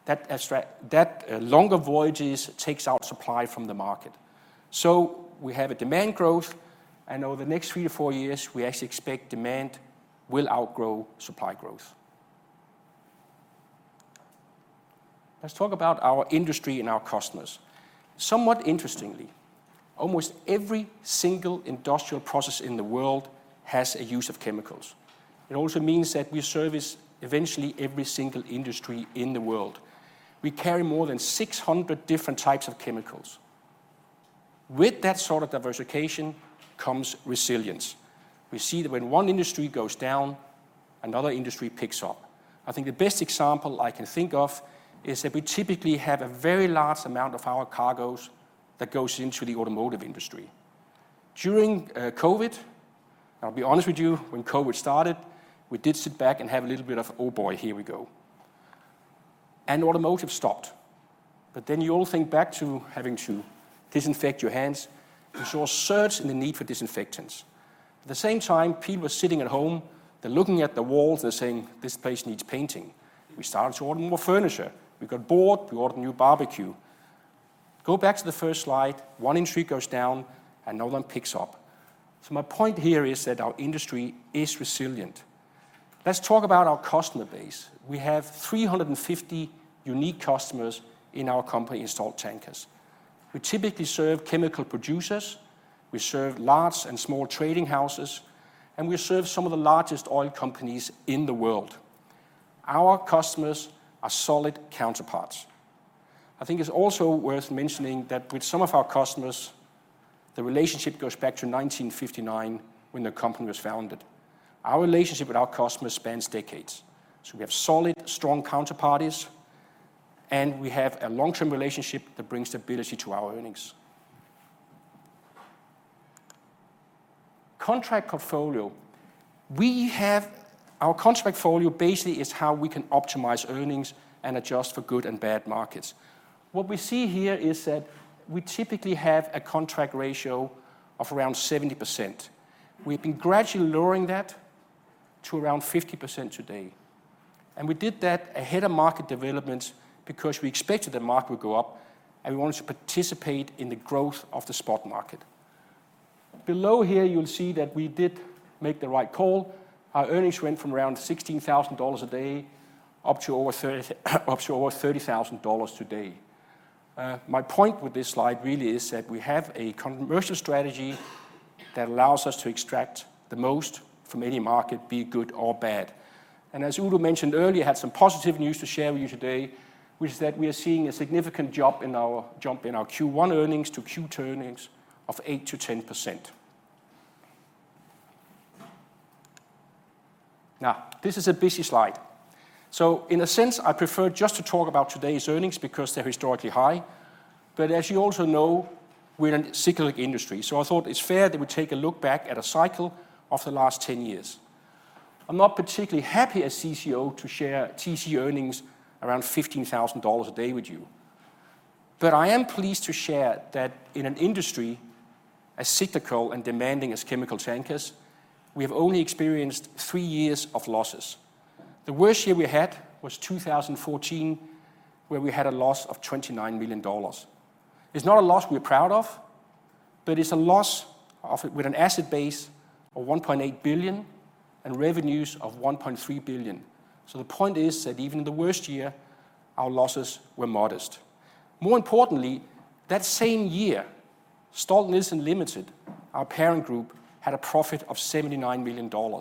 [SPEAKER 6] That extra, that longer voyages takes out supply from the market. So we have a demand growth, and over the next 3-4 years, we actually expect demand will outgrow supply growth. Let's talk about our industry and our customers. Somewhat interestingly, almost every single industrial process in the world has a use of chemicals. It also means that we service eventually every single industry in the world. We carry more than 600 different types of chemicals. With that sort of diversification comes resilience. We see that when one industry goes down, another industry picks up. I think the best example I can think of is that we typically have a very large amount of our cargoes that goes into the automotive industry. During COVID, I'll be honest with you, when COVID started, we did sit back and have a little bit of, "Oh, boy, here we go." And automotive stopped. But then you all think back to having to disinfect your hands. There was a surge in the need for disinfectants. At the same time, people were sitting at home, they're looking at the walls, they're saying, "This place needs painting." We started to order more furniture. We got bored, we ordered a new barbecue. Go back to the first slide, one industry goes down and another one picks up. So my point here is that our industry is resilient. Let's talk about our customer base. We have 350 unique customers in our company, in Stolt Tankers. We typically serve chemical producers, we serve large and small trading houses, and we serve some of the largest oil companies in the world. Our customers are solid counterparts. I think it's also worth mentioning that with some of our customers, the relationship goes back to 1959, when the company was founded. Our relationship with our customers spans decades, so we have solid, strong counterparties, and we have a long-term relationship that brings stability to our earnings. Contract portfolio. We have... Our contract portfolio basically is how we can optimize earnings and adjust for good and bad markets. What we see here is that we typically have a contract ratio of around 70%. We've been gradually lowering that to around 50% today, and we did that ahead of market developments because we expected the market would go up, and we wanted to participate in the growth of the spot market. Below here, you'll see that we did make the right call. Our earnings went from around $16,000 a day up to over $30,000 today. My point with this slide really is that we have a commercial strategy that allows us to extract the most from any market, be it good or bad. And as Udo mentioned earlier, I had some positive news to share with you today, which is that we are seeing a significant jump in our Q1 earnings to Q2 earnings of 8%-10%. Now, this is a busy slide. So in a sense, I prefer just to talk about today's earnings because they're historically high. But as you also know, we're in a cyclical industry, so I thought it's fair that we take a look back at a cycle of the last 10 years. I'm not particularly happy as CCO to share TC earnings around $15,000 a day with you, but I am pleased to share that in an industry as cyclical and demanding as chemical tankers, we have only experienced 3 years of losses. The worst year we had was 2014, where we had a loss of $29 million. It's not a loss we're proud of, but it's a loss of, with an asset base of $1.8 billion and revenues of $1.3 billion. So the point is that even in the worst year, our losses were modest. More importantly, that same year, Stolt-Nielsen Limited, our parent group, had a profit of $79 million.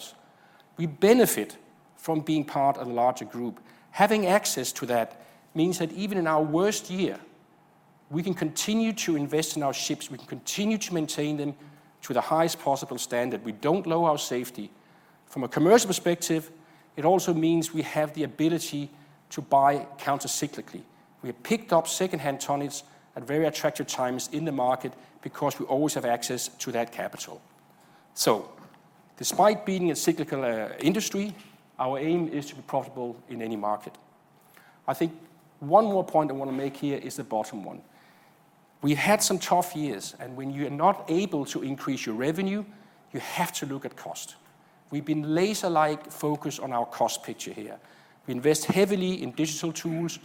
[SPEAKER 6] We benefit from being part of a larger group. Having access to that means that even in our worst year, we can continue to invest in our ships, we can continue to maintain them to the highest possible standard. We don't lower our safety. From a commercial perspective, it also means we have the ability to buy countercyclically. We have picked up secondhand tonnages at very attractive times in the market because we always have access to that capital. So despite being a cyclical industry, our aim is to be profitable in any market. I think one more point I want to make here is the bottom one. We've had some tough years, and when you're not able to increase your revenue, you have to look at cost. We've been laser-like focused on our cost picture here. We invest heavily in digital tools.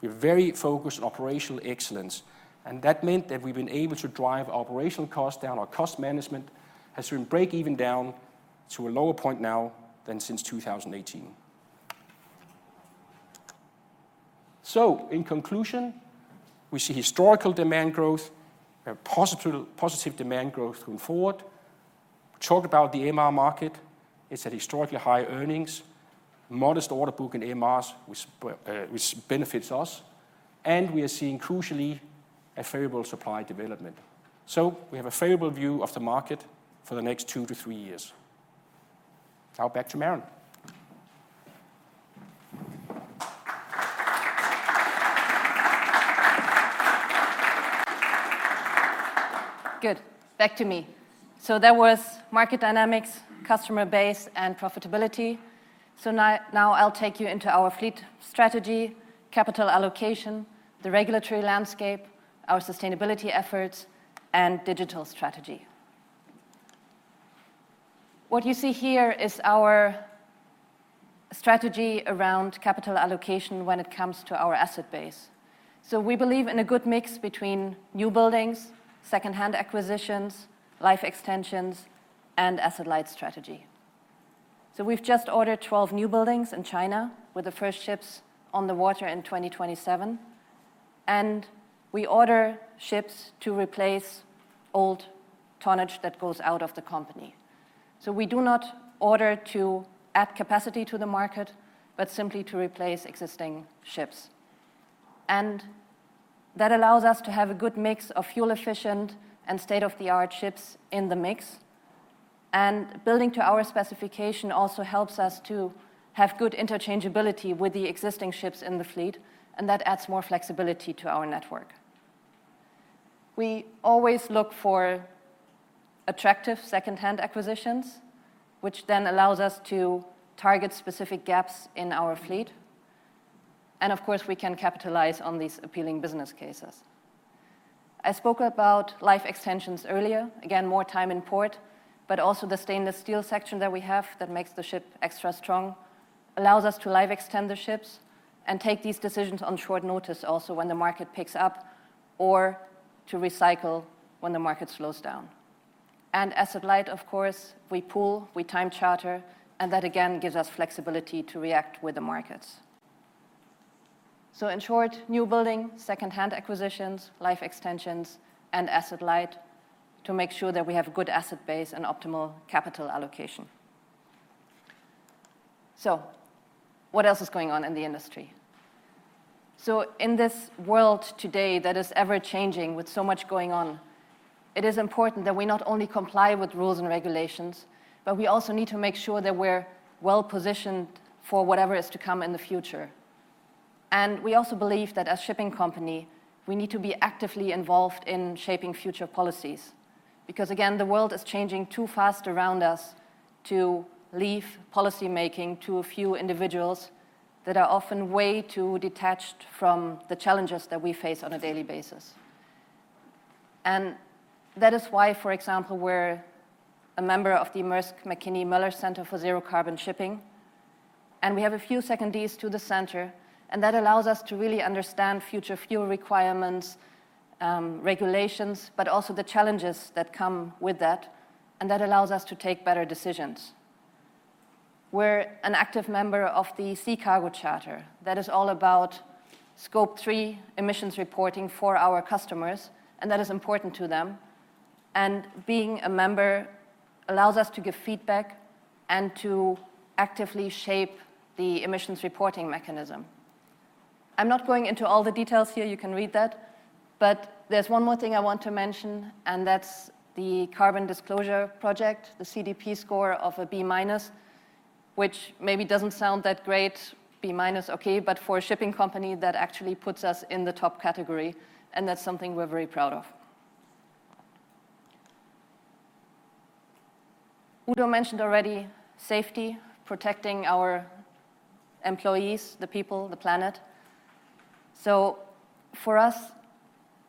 [SPEAKER 6] We're very focused on operational excellence, and that meant that we've been able to drive operational costs down. Our cost management has been break even down to a lower point now than since 2018. So, in conclusion, we see historical demand growth, we have positive, positive demand growth going forward. We talked about the MR market. It's at historically high earnings, modest order book in MRs, which, which benefits us, and we are seeing crucially, a favorable supply development. So we have a favorable view of the market for the next 2-3 years. Now back to Maren.
[SPEAKER 5] Good. Back to me. So that was market dynamics, customer base, and profitability. So now, now I'll take you into our fleet strategy, capital allocation, the regulatory landscape, our sustainability efforts, and digital strategy. What you see here is our strategy around capital allocation when it comes to our asset base. So we believe in a good mix between new buildings, second-hand acquisitions, life extensions, and asse-light strategy. So we've just ordered 12 new buildings in China, with the first ships on the water in 2027, and we order ships to replace old tonnage that goes out of the company. So we do not order to add capacity to the market, but simply to replace existing ships. And that allows us to have a good mix of fuel-efficient and state-of-the-art ships in the mix. Building to our specification also helps us to have good interchangeability with the existing ships in the fleet, and that adds more flexibility to our network. We always look for attractive second-hand acquisitions, which then allows us to target specific gaps in our fleet, and of course, we can capitalize on these appealing business cases. I spoke about life extensions earlier. Again, more time in port, but also the stainless steel section that we have that makes the ship extra strong, allows us to life-extend the ships and take these decisions on short notice, also, when the market picks up, or to recycle when the market slows down. Asset-light, of course, we pool, we time charter, and that again gives us flexibility to react with the markets. In short, new building, second-hand acquisitions, life extensions, and asset-light to make sure that we have a good asset base and optimal capital allocation. What else is going on in the industry? In this world today, that is ever-changing, with so much going on, it is important that we not only comply with rules and regulations, but we also need to make sure that we're well-positioned for whatever is to come in the future. We also believe that as a shipping company, we need to be actively involved in shaping future policies. Because, again, the world is changing too fast around us to leave policymaking to a few individuals that are often way too detached from the challenges that we face on a daily basis. That is why, for example, we're a member of the Maersk Mc-Kinney Møller Center for Zero Carbon Shipping, and we have a few secondees to the center, and that allows us to really understand future fuel requirements, regulations, but also the challenges that come with that, and that allows us to take better decisions. We're an active member of the Sea Cargo Charter that is all about Scope 3 emissions reporting for our customers, and that is important to them. Being a member allows us to give feedback and to actively shape the emissions reporting mechanism. I'm not going into all the details here, you can read that, but there's one more thing I want to mention, and that's the Carbon Disclosure Project, the CDP score of a B minus, which maybe doesn't sound that great. B minus, okay, but for a shipping company, that actually puts us in the top category, and that's something we're very proud of. Udo mentioned already, safety, protecting our employees, the people, the planet. So for us,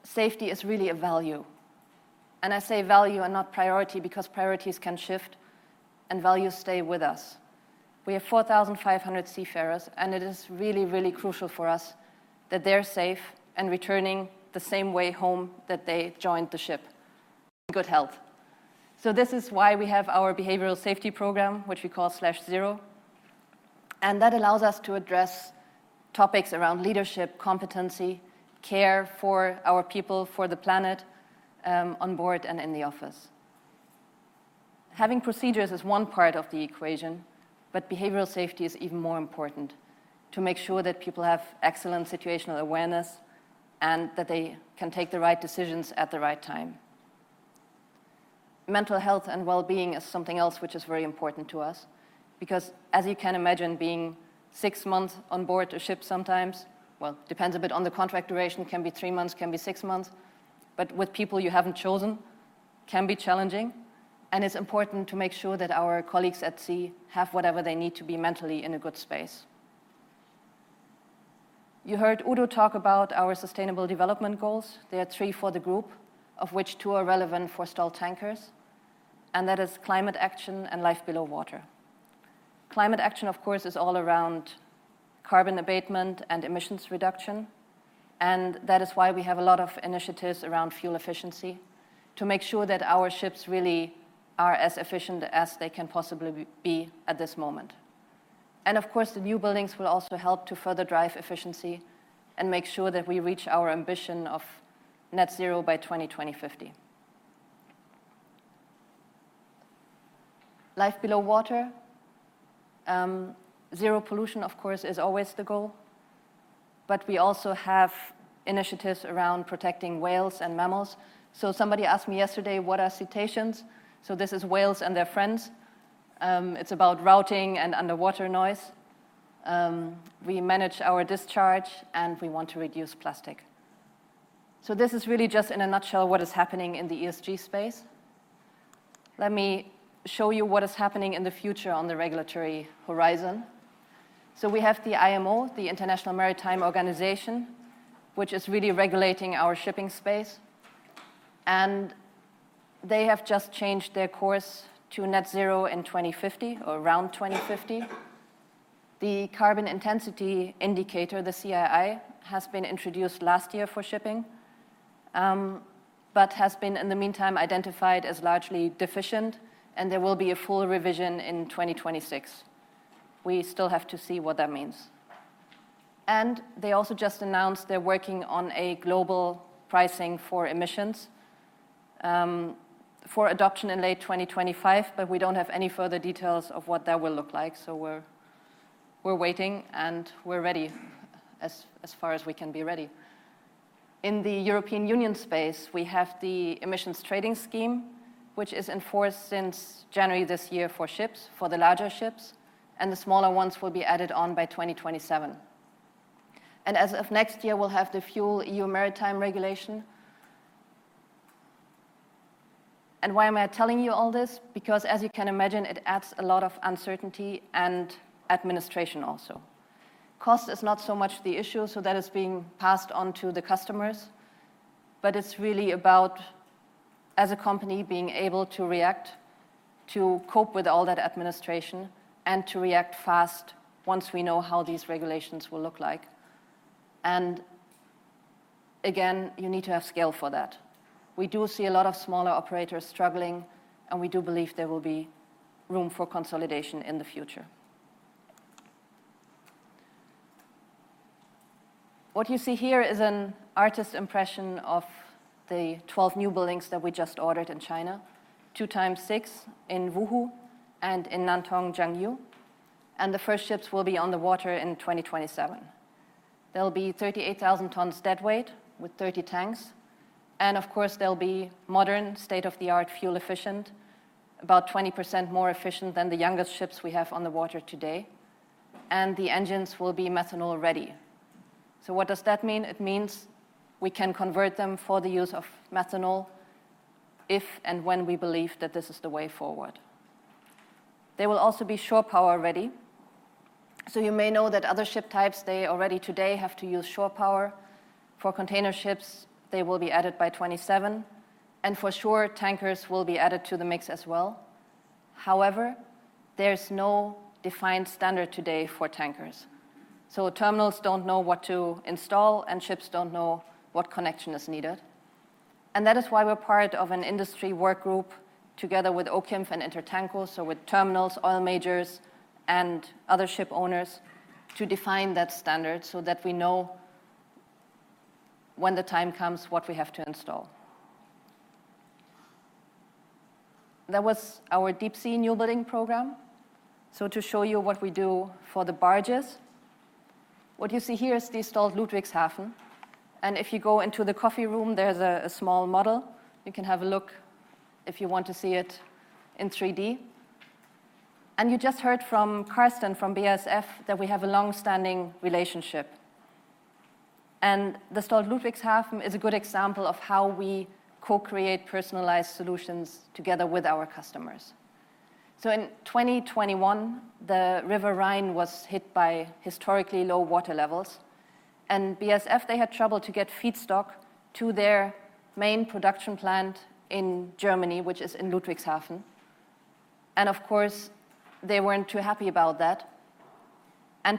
[SPEAKER 5] safety is really a value, and I say value and not priority, because priorities can shift and values stay with us. We have 4,500 seafarers, and it is really, really crucial for us that they're safe and returning the same way home that they joined the ship, in good health. So this is why we have our behavioral safety program, which we call Slash Zero, and that allows us to address topics around leadership, competency, care for our people, for the planet, on board and in the office. Having procedures is one part of the equation, but behavioral safety is even more important to make sure that people have excellent situational awareness and that they can take the right decisions at the right time. Mental health and wellbeing is something else which is very important to us. Because, as you can imagine, being 6 months on board a ship sometimes, well, depends a bit on the contract duration, can be 3 months, can be 6 months, but with people you haven't chosen, can be challenging. It's important to make sure that our colleagues at sea have whatever they need to be mentally in a good space. You heard Udo talk about our Sustainable Development Goals. There are three for the group, of which two are relevant for Stolt Tankers, and that is climate action and life below water. Climate action, of course, is all around carbon abatement and emissions reduction, and that is why we have a lot of initiatives around fuel efficiency, to make sure that our ships really are as efficient as they can possibly be at this moment. And of course, the new buildings will also help to further drive efficiency and make sure that we reach our ambition of net zero by 2050. Life below water, zero pollution, of course, is always the goal, but we also have initiatives around protecting whales and mammals. So somebody asked me yesterday, what are cetaceans? So this is whales and their friends. It's about routing and underwater noise. We manage our discharge, and we want to reduce plastic. So this is really just in a nutshell what is happening in the ESG space. Let me show you what is happening in the future on the regulatory horizon. So we have the IMO, the International Maritime Organization, which is really regulating our shipping space, and they have just changed their course to net zero in 2050 or around 2050. The Carbon Intensity Indicator, the CII, has been introduced last year for shipping, but has been, in the meantime, identified as largely deficient, and there will be a full revision in 2026. We still have to see what that means. And they also just announced they're working on a global pricing for emissions, for adoption in late 2025, but we don't have any further details of what that will look like, so we're, we're ready as, as far as we can be ready. In the European Union space, we have the Emissions Trading Scheme, which is enforced since January this year for ships, for the larger ships, and the smaller ones will be added on by 2027. As of next year, we'll have the FuelEU Maritime Regulation. Why am I telling you all this? Because as you can imagine, it adds a lot of uncertainty and administration also. Cost is not so much the issue, so that is being passed on to the customers, but it's really about, as a company, being able to react, to cope with all that administration and to react fast once we know how these regulations will look like. Again, you need to have scale for that. We do see a lot of smaller operators struggling, and we do believe there will be room for consolidation in the future. What you see here is an artist's impression of the 12 newbuildings that we just ordered in China, 2 times 6 in Wuhu and in Nantong Xiangyu, and the first ships will be on the water in 2027. They'll be 38,000 tons deadweight with 30 tanks, and of course, they'll be modern, state-of-the-art, fuel efficient, about 20% more efficient than the youngest ships we have on the water today, and the engines will be methanol ready. So what does that mean? It means we can convert them for the use of methanol if and when we believe that this is the way forward. They will also be shore power ready. So you may know that other ship types, they already today have to use shore power. For container ships, they will be added by 2027, and for sure, tankers will be added to the mix as well. However, there's no defined standard today for tankers, so terminals don't know what to install, and ships don't know what connection is needed. That is why we're part of an industry work group together with OCIMF and Intertanko, so with terminals, oil majors, and other ship owners, to define that standard so that we know, when the time comes, what we have to install. That was our deep-sea new building program. To show you what we do for the barges, what you see here is the Stolt Ludwigshafen. If you go into the coffee room, there's a small model. You can have a look if you want to see it in 3D. You just heard from Carsten, from BASF, that we have a long-standing relationship. The Stolt Ludwigshafen is a good example of how we co-create personalized solutions together with our customers. In 2021, the River Rhine was hit by historically low water levels, and BASF, they had trouble to get feedstock to their main production plant in Germany, which is in Ludwigshafen, and of course, they weren't too happy about that.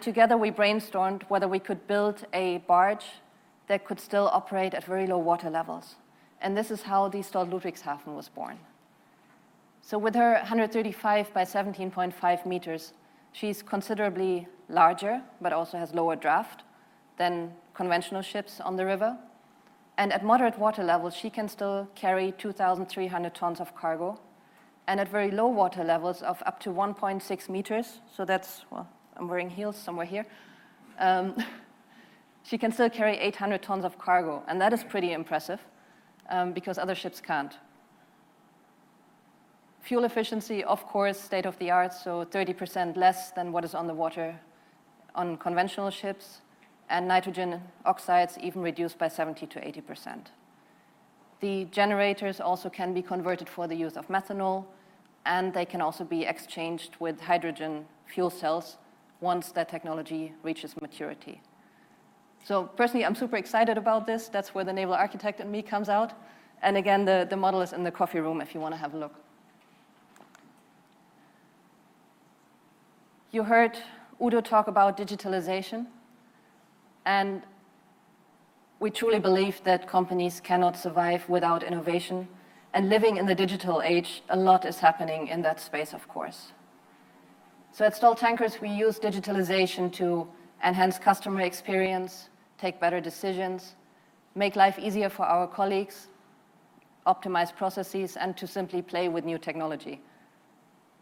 [SPEAKER 5] Together, we brainstormed whether we could build a barge that could still operate at very low water levels, and this is how the Stolt Ludwigshafen was born. With her 135 by 17.5 meters, she's considerably larger, but also has lower draft than conventional ships on the river. At moderate water levels, she can still carry 2,300 tons of cargo, and at very low water levels of up to 1.6 meters, so that's. Well, I'm wearing heels, somewhere here. She can still carry 800 tons of cargo, and that is pretty impressive, because other ships can't. Fuel efficiency, of course, state-of-the-art, so 30% less than what is on the water on conventional ships, and nitrogen oxides even reduced by 70%-80%. The generators also can be converted for the use of methanol, and they can also be exchanged with hydrogen fuel cells once that technology reaches maturity. So personally, I'm super excited about this. That's where the naval architect in me comes out, and again, the model is in the coffee room if you wanna have a look. You heard Udo talk about digitalization, and we truly believe that companies cannot survive without innovation, and living in the digital age, a lot is happening in that space, of course. So at Stolt Tankers, we use digitalization to enhance customer experience, take better decisions, make life easier for our colleagues, optimize processes, and to simply play with new technology.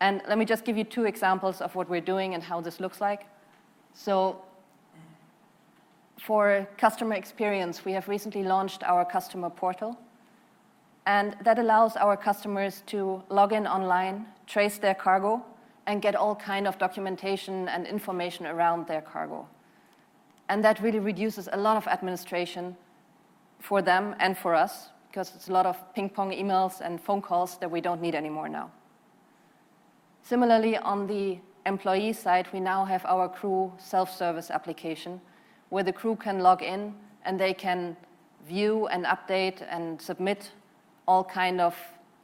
[SPEAKER 5] And let me just give you two examples of what we're doing and how this looks like. So, for customer experience, we have recently launched our customer portal, and that allows our customers to log in online, trace their cargo, and get all kind of documentation and information around their cargo, and that really reduces a lot of administration for them and for us, 'cause it's a lot of ping pong emails and phone calls that we don't need anymore now. Similarly, on the employee side, we now have our crew self-service application, where the crew can log in, and they can view, update, and submit all kinds of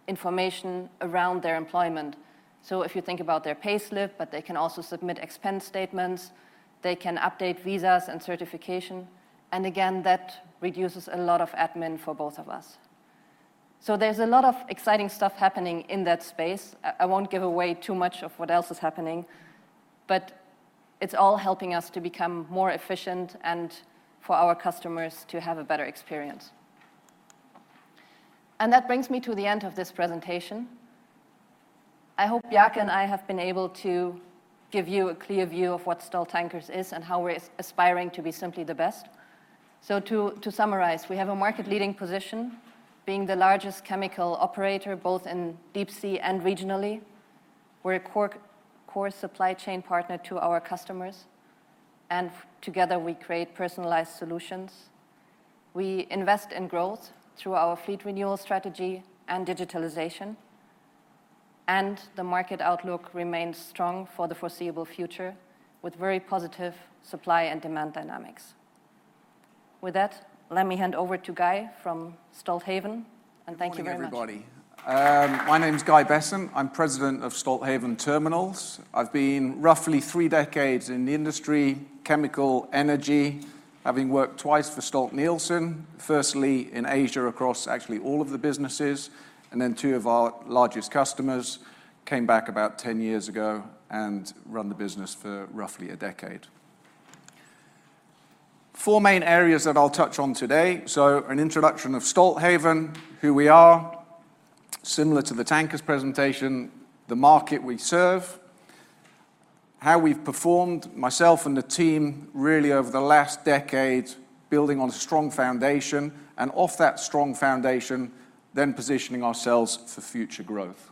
[SPEAKER 5] information around their employment. So if you think about their payslip, but they can also submit expense statements, they can update visas and certification, and again, that reduces a lot of admin for both of us. So there's a lot of exciting stuff happening in that space. I won't give away too much of what else is happening, but it's all helping us to become more efficient and for our customers to have a better experience. And that brings me to the end of this presentation. I hope Bjarke and I have been able to give you a clear view of what Stolt Tankers is, and how we're aspiring to be simply the best. To summarize, we have a market-leading position, being the largest chemical operator, both in deep sea and regionally. We're a core supply chain partner to our customers, and together, we create personalized solutions. We invest in growth through our fleet renewal strategy and digitalization, and the market outlook remains strong for the foreseeable future, with very positive supply and demand dynamics. With that, let me hand over to Guy from Stolthaven, and thank you very much.
[SPEAKER 7] Good morning, everybody. My name's Guy Bessant. I'm president of Stolthaven Terminals. I've been roughly three decades in the industry, chemical, energy, having worked twice for Stolt-Nielsen, firstly in Asia, across actually all of the businesses, and then two of our largest customers. Came back about 10 years ago and run the business for roughly a decade. Four main areas that I'll touch on today, so an introduction of Stolthaven, who we are, similar to the Tankers presentation, the market we serve, how we've performed, myself and the team, really over the last decade, building on a strong foundation, and off that strong foundation, then positioning ourselves for future growth.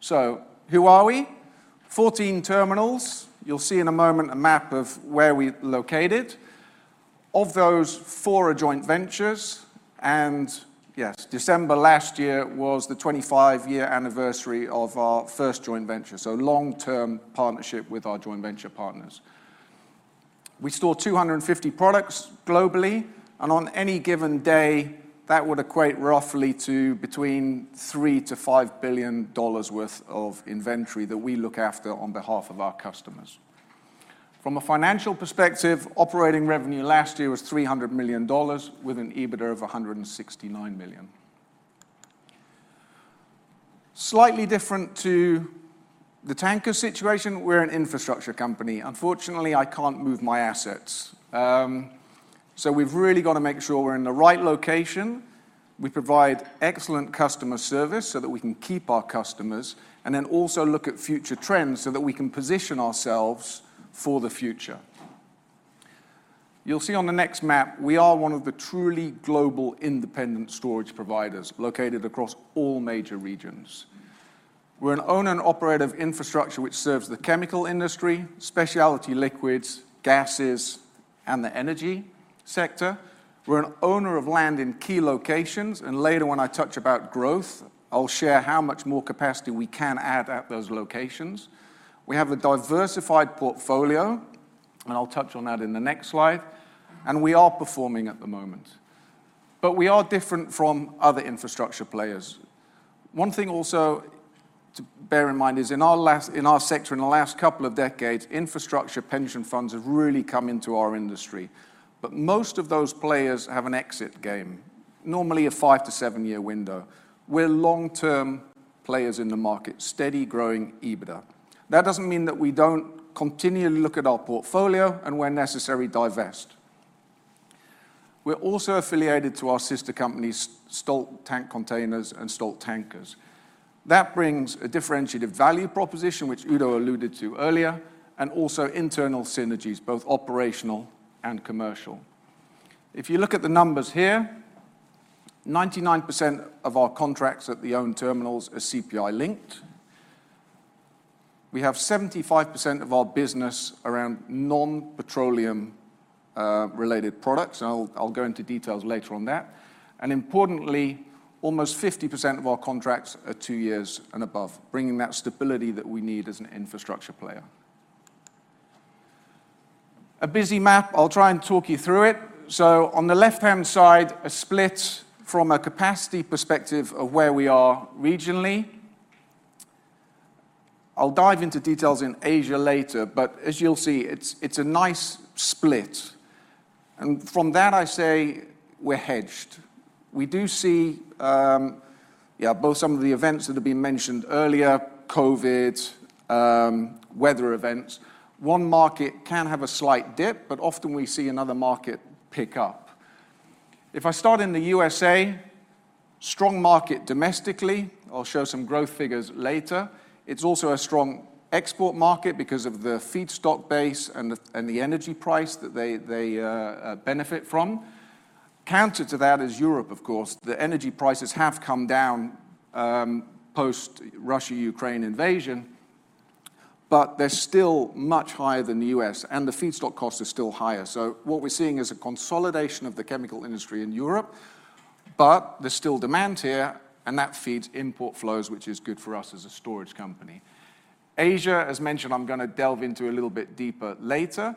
[SPEAKER 7] So who are we? 14 terminals. You'll see in a moment a map of where we're located. Of those, four are joint ventures, and, yes, December last year was the 25-year anniversary of our first joint venture, so long-term partnership with our joint venture partners. We store 250 products globally, and on any given day, that would equate roughly to between $3-$5 billion worth of inventory that we look after on behalf of our customers. From a financial perspective, operating revenue last year was $300 million, with an EBITDA of $169 million. Slightly different to the Tanker situation, we're an infrastructure company. Unfortunately, I can't move my assets. So we've really gotta make sure we're in the right location, we provide excellent customer service, so that we can keep our customers, and then also look at future trends, so that we can position ourselves for the future. You'll see on the next map, we are one of the truly global independent storage providers, located across all major regions. We're an owner and operator of infrastructure which serves the chemical industry, specialty liquids, gases, and the energy sector. We're an owner of land in key locations, and later when I touch about growth, I'll share how much more capacity we can add at those locations. We have a diversified portfolio, and I'll touch on that in the next slide, and we are performing at the moment. But we are different from other infrastructure players. One thing also to bear in mind is in our sector in the last couple of decades, infrastructure pension funds have really come into our industry, but most of those players have an exit game, normally a 5-7-year window. We're long-term players in the market, steady, growing EBITDA. That doesn't mean that we don't continually look at our portfolio, and where necessary, divest. We're also affiliated to our sister companies, Stolt Tank Containers and Stolt Tankers. That brings a differentiated value proposition, which Udo alluded to earlier, and also internal synergies, both operational and commercial. If you look at the numbers here, 99% of our contracts at the owned terminals are CPI-linked. We have 75% of our business around non-petroleum related products, and I'll go into details later on that, and importantly, almost 50% of our contracts are two years and above, bringing that stability that we need as an infrastructure player. A busy map, I'll try and talk you through it. So on the left-hand side, a split from a capacity perspective of where we are regionally. I'll dive into details in Asia later, but as you'll see, it's a nice split, and from that I say we're hedged. We do see, yeah, both some of the events that have been mentioned earlier, COVID, weather events. One market can have a slight dip, but often we see another market pick up. If I start in the USA, strong market domestically. I'll show some growth figures later. It's also a strong export market because of the feedstock base and the energy price that they benefit from. Counter to that is Europe, of course. The energy prices have come down post-Russia-Ukraine invasion, but they're still much higher than the U.S., and the feedstock cost is still higher. So what we're seeing is a consolidation of the chemical industry in Europe, but there's still demand here, and that feeds import flows, which is good for us as a storage company. Asia, as mentioned, I'm gonna delve into a little bit deeper later.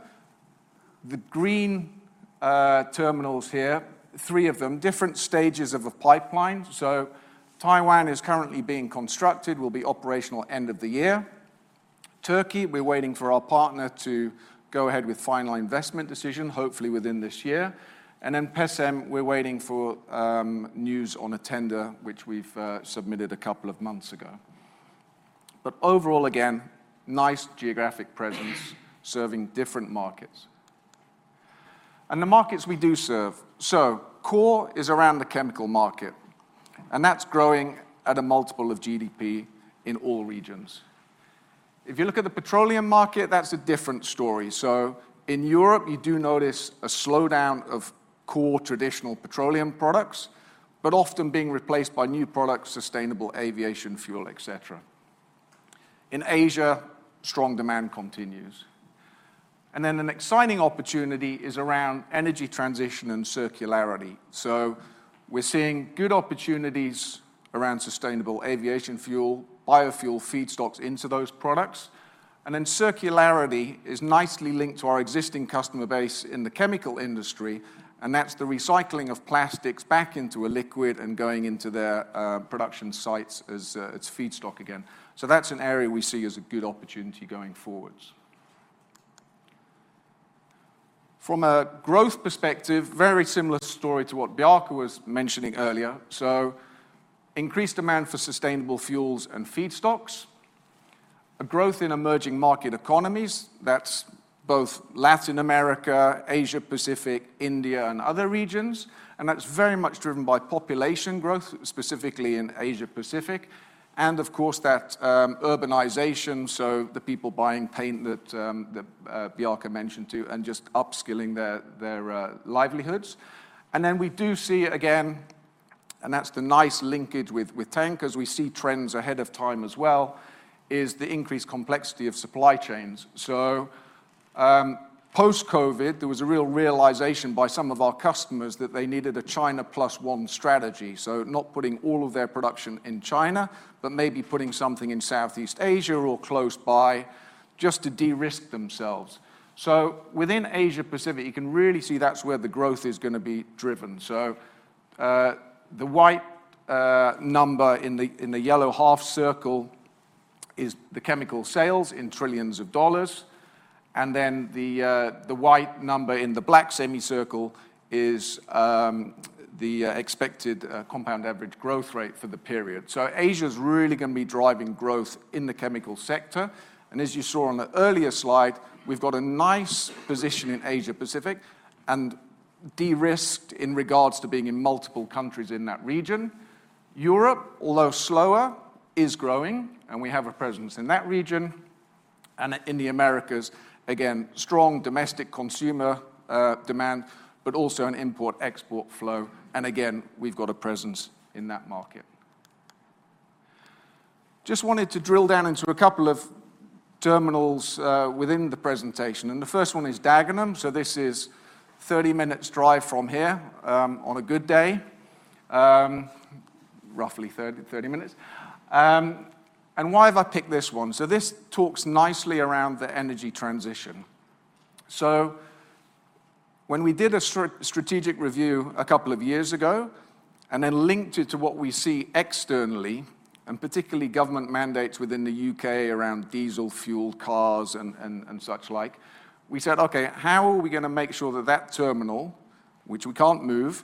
[SPEAKER 7] The green terminals here, three of them, different stages of a pipeline. So Taiwan is currently being constructed, will be operational end of the year. Turkey, we're waiting for our partner to go ahead with final investment decision, hopefully within this year. And then Pecém, we're waiting for news on a tender, which we've submitted a couple of months ago. But overall, again, nice geographic presence, serving different markets. And the markets we do serve. So core is around the chemical market, and that's growing at a multiple of GDP in all regions. If you look at the petroleum market, that's a different story. So in Europe, you do notice a slowdown of core traditional petroleum products, but often being replaced by new products, sustainable aviation fuel, et cetera. In Asia, strong demand continues. And then an exciting opportunity is around energy transition and circularity. So we're seeing good opportunities around sustainable aviation fuel, biofuel feedstocks into those products. And then circularity is nicely linked to our existing customer base in the chemical industry, and that's the recycling of plastics back into a liquid and going into their production sites as its feedstock again. So that's an area we see as a good opportunity going forwards. From a growth perspective, very similar story to what Bjarke was mentioning earlier. So increased demand for sustainable fuels and feedstocks, a growth in emerging market economies, that's both Latin America, Asia-Pacific, India, and other regions, and that's very much driven by population growth, specifically in Asia-Pacific, and of course, that, urbanisation, so the people buying paint that Bjarke mentioned, too, and just upskilling their livelihoods. And then we do see, again. And that's the nice linkage with tank, as we see trends ahead of time as well, is the increased complexity of supply chains. So, post-COVID, there was a real realization by some of our customers that they needed a China plus one strategy, so not putting all of their production in China, but maybe putting something in Southeast Asia or close by just to de-risk themselves. So within Asia-Pacific, you can really see that's where the growth is gonna be driven. So, the white number in the yellow half circle is the chemical sales in trillions of dollars, and then the white number in the black semicircle is the expected compound average growth rate for the period. So Asia's really gonna be driving growth in the chemical sector, and as you saw on the earlier slide, we've got a nice position in Asia-Pacific and de-risked in regards to being in multiple countries in that region. Europe, although slower, is growing, and we have a presence in that region, and in the Americas, again, strong domestic consumer demand, but also an import/export flow, and again, we've got a presence in that market. Just wanted to drill down into a couple of terminals within the presentation, and the first one is Dagenham. So this is 30 minutes drive from here, on a good day, roughly 30, 30 minutes. And why have I picked this one? So this talks nicely around the energy transition. So when we did a strategic review a couple of years ago, and then linked it to what we see externally, and particularly government mandates within the UK around diesel-fueled cars and such like, we said, "Okay, how are we gonna make sure that that terminal, which we can't move,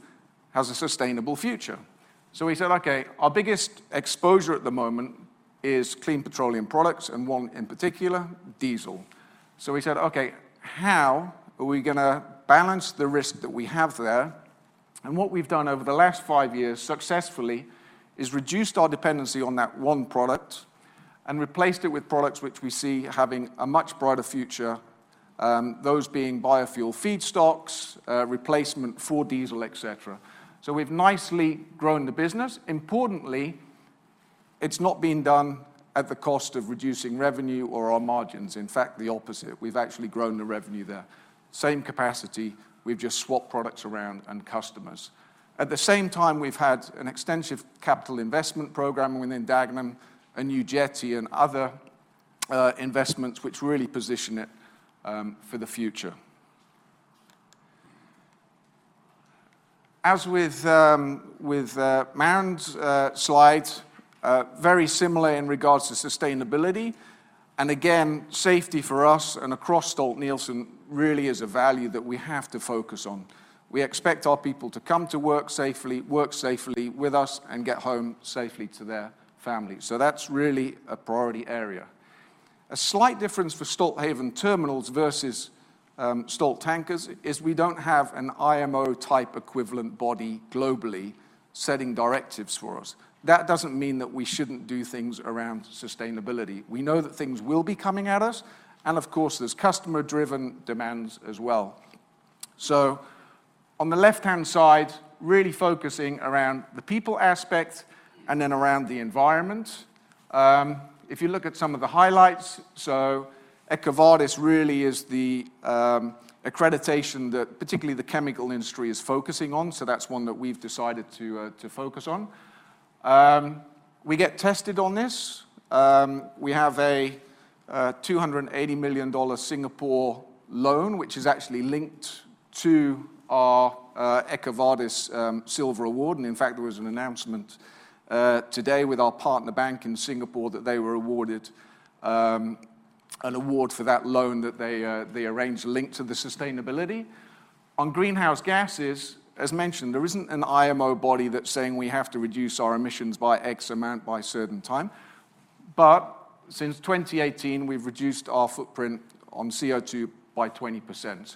[SPEAKER 7] has a sustainable future?" So we said, "Okay, our biggest exposure at the moment is clean petroleum products, and one in particular, diesel." So we said, "Okay, how are we gonna balance the risk that we have there?" And what we've done over the last five years successfully is reduced our dependency on that one product and replaced it with products which we see having a much brighter future, those being biofuel feedstocks, replacement for diesel, et cetera. So we've nicely grown the business. Importantly. It's not been done at the cost of reducing revenue or our margins. In fact, the opposite. We've actually grown the revenue there. Same capacity, we've just swapped products around and customers. At the same time, we've had an extensive capital investment program within Dagenham, a new jetty, and other investments which really position it for the future. As with Maren's slides, very similar in regards to sustainability, and again, safety for us and across Stolt-Nielsen really is a value that we have to focus on. We expect our people to come to work safely, work safely with us, and get home safely to their families, so that's really a priority area. A slight difference for Stolthaven Terminals versus Stolt Tankers is we don't have an IMO-type equivalent body globally setting directives for us. That doesn't mean that we shouldn't do things around sustainability. We know that things will be coming at us, and of course, there's customer-driven demands as well. So on the left-hand side, really focusing around the people aspect and then around the environment. If you look at some of the highlights, so EcoVadis really is the accreditation that particularly the chemical industry is focusing on, so that's one that we've decided to focus on. We get tested on this. We have a $280 million Singapore loan, which is actually linked to our EcoVadis Silver Award, and in fact, there was an announcement today with our partner bank in Singapore that they were awarded an award for that loan that they arranged linked to the sustainability. On greenhouse gases, as mentioned, there isn't an IMO body that's saying we have to reduce our emissions by X amount by a certain time, but since 2018, we've reduced our footprint on CO2 by 20%.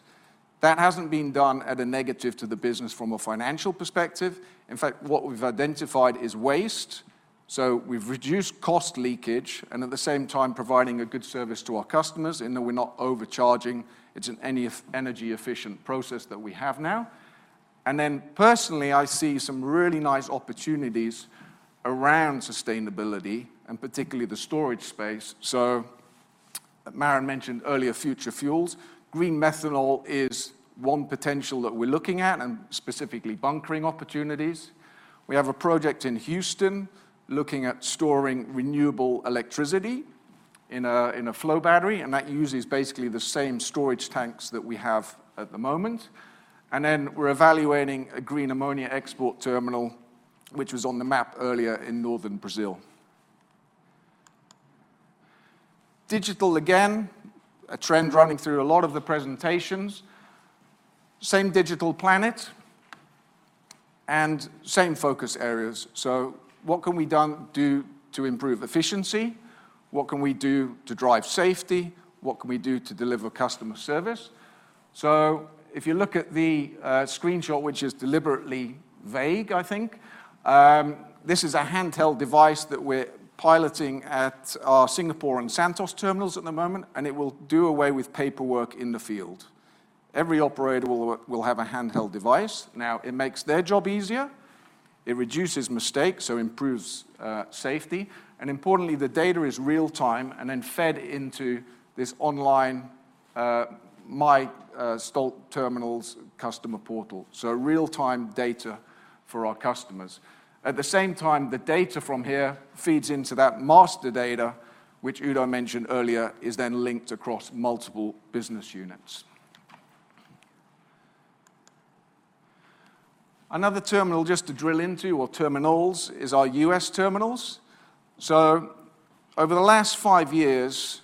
[SPEAKER 7] That hasn't been done at a negative to the business from a financial perspective. In fact, what we've identified is waste, so we've reduced cost leakage and at the same time providing a good service to our customers in that we're not overcharging. It's an energy-efficient process that we have now. And then personally, I see some really nice opportunities around sustainability and particularly the storage space. So Maren mentioned earlier future fuels. Green methanol is one potential that we're looking at, and specifically bunkering opportunities. We have a project in Houston looking at storing renewable electricity in a flow battery, and that uses basically the same storage tanks that we have at the moment. Then we're evaluating a green ammonia export terminal, which was on the map earlier in northern Brazil. Digital, again, a trend running through a lot of the presentations. Same Digitalization Planet and same focus areas. So what can we do to improve efficiency? What can we do to drive safety? What can we do to deliver customer service? So if you look at the screenshot, which is deliberately vague, I think, this is a handheld device that we're piloting at our Singapore and Santos terminals at the moment, and it will do away with paperwork in the field. Every operator will have a handheld device. Now, it makes their job easier, it reduces mistakes, so improves safety, and importantly, the data is real time and then fed into this online MyStolthaven customer portal, so real-time data for our customers. At the same time, the data from here feeds into that master data, which Udo mentioned earlier, is then linked across multiple business units. Another terminal just to drill into, or terminals, is our U.S. terminals. So over the last five years,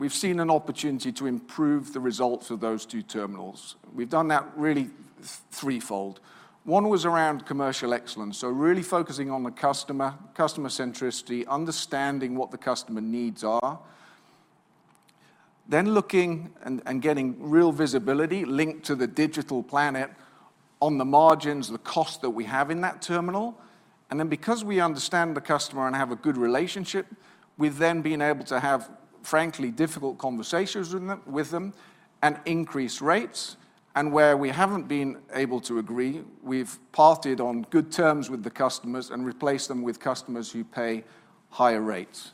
[SPEAKER 7] we've seen an opportunity to improve the results of those two terminals. We've done that really threefold. One was around commercial excellence, so really focusing on the customer, customer centricity, understanding what the customer needs are. Then looking and getting real visibility linked to the Digitalization Planet on the margins, the cost that we have in that terminal, and then because we understand the customer and have a good relationship, we've then been able to have, frankly, difficult conversations with them and increase rates, and where we haven't been able to agree, we've parted on good terms with the customers and replaced them with customers who pay higher rates.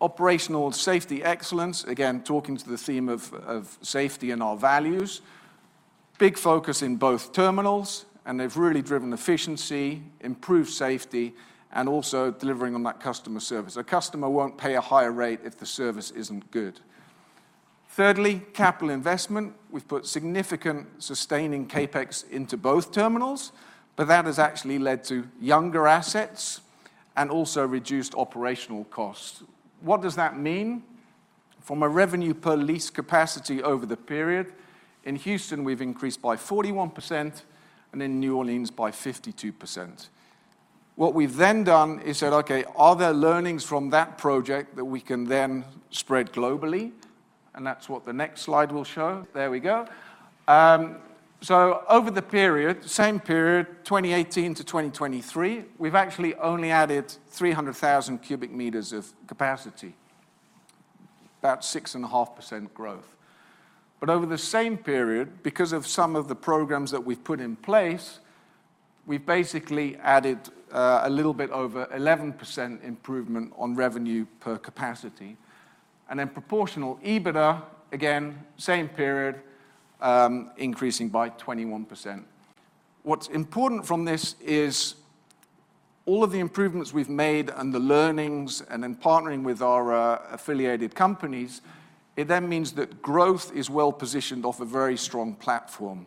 [SPEAKER 7] Operational safety excellence, again, talking to the theme of safety and our values, big focus in both terminals, and they've really driven efficiency, improved safety, and also delivering on that customer service. A customer won't pay a higher rate if the service isn't good. Thirdly, capital investment. We've put significant sustaining CapEx into both terminals, but that has actually led to younger assets and also reduced operational costs. What does that mean? From a revenue per lease capacity over the period, in Houston, we've increased by 41%, and in New Orleans by 52%. What we've then done is said, "Okay, are there learnings from that project that we can then spread globally?" And that's what the next slide will show. There we go. So over the period, same period, 2018 to 2023, we've actually only added 300,000 cubic meters of capacity. about 6.5% growth. But over the same period, because of some of the programs that we've put in place, we've basically added a little bit over 11% improvement on revenue per capacity. And then proportional EBITDA, again, same period, increasing by 21%. What's important from this is all of the improvements we've made and the learnings, and then partnering with our affiliated companies, it then means that growth is well-positioned off a very strong platform.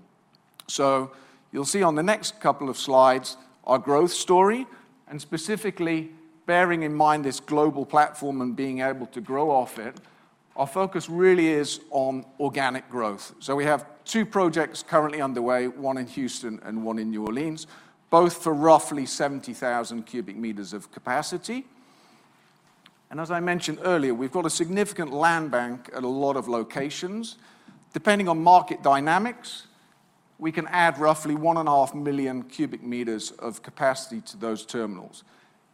[SPEAKER 7] So you'll see on the next couple of slides, our growth story, and specifically bearing in mind this global platform and being able to grow off it, our focus really is on organic growth. So we have two projects currently underway, one in Houston and one in New Orleans, both for roughly 70,000 cubic meters of capacity. And as I mentioned earlier, we've got a significant land bank at a lot of locations. Depending on market dynamics, we can add roughly 1.5 million cubic meters of capacity to those terminals.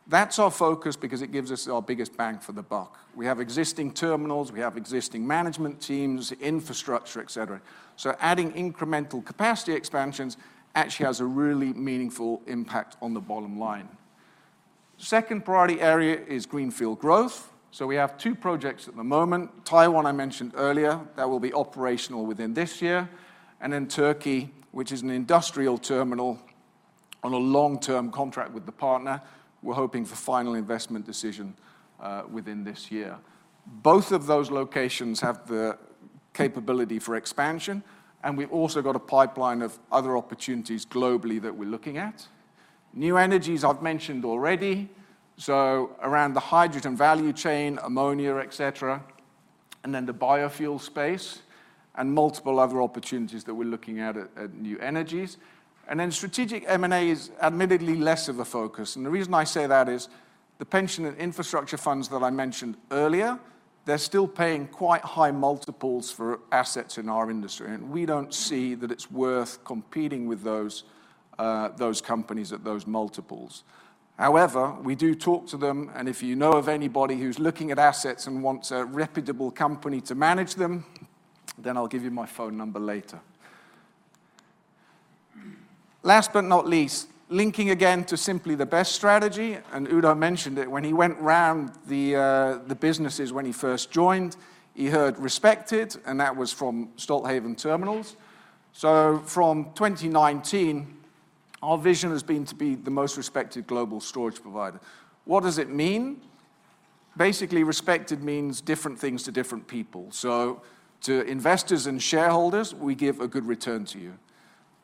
[SPEAKER 7] That's our focus because it gives us our biggest bang for the buck. We have existing terminals, we have existing management teams, infrastructure, et cetera, so adding incremental capacity expansions actually has a really meaningful impact on the bottom line. Second priority area is greenfield growth. So we have two projects at the moment. Taiwan, I mentioned earlier, that will be operational within this year, and then Turkey, which is an industrial terminal on a long-term contract with the partner. We're hoping for final investment decision within this year. Both of those locations have the capability for expansion, and we've also got a pipeline of other opportunities globally that we're looking at. New Energies, I've mentioned already, so around the hydrogen value chain, ammonia, et cetera, and then the biofuel space, and multiple other opportunities that we're looking at at New Energies. And then strategic M&A is admittedly less of a focus. The reason I say that is the pension and infrastructure funds that I mentioned earlier, they're still paying quite high multiples for assets in our industry, and we don't see that it's worth competing with those companies at those multiples. However, we do talk to them, and if you know of anybody who's looking at assets and wants a reputable company to manage them, then I'll give you my phone number later. Last but not least, linking again to Simply the Best strategy, and Udo mentioned it when he went round the businesses when he first joined, he heard "respected," and that was from Stolthaven Terminals. From 2019, our vision has been to be the most respected global storage provider. What does it mean? Basically, respected means different things to different people. So to investors and shareholders, we give a good return to you.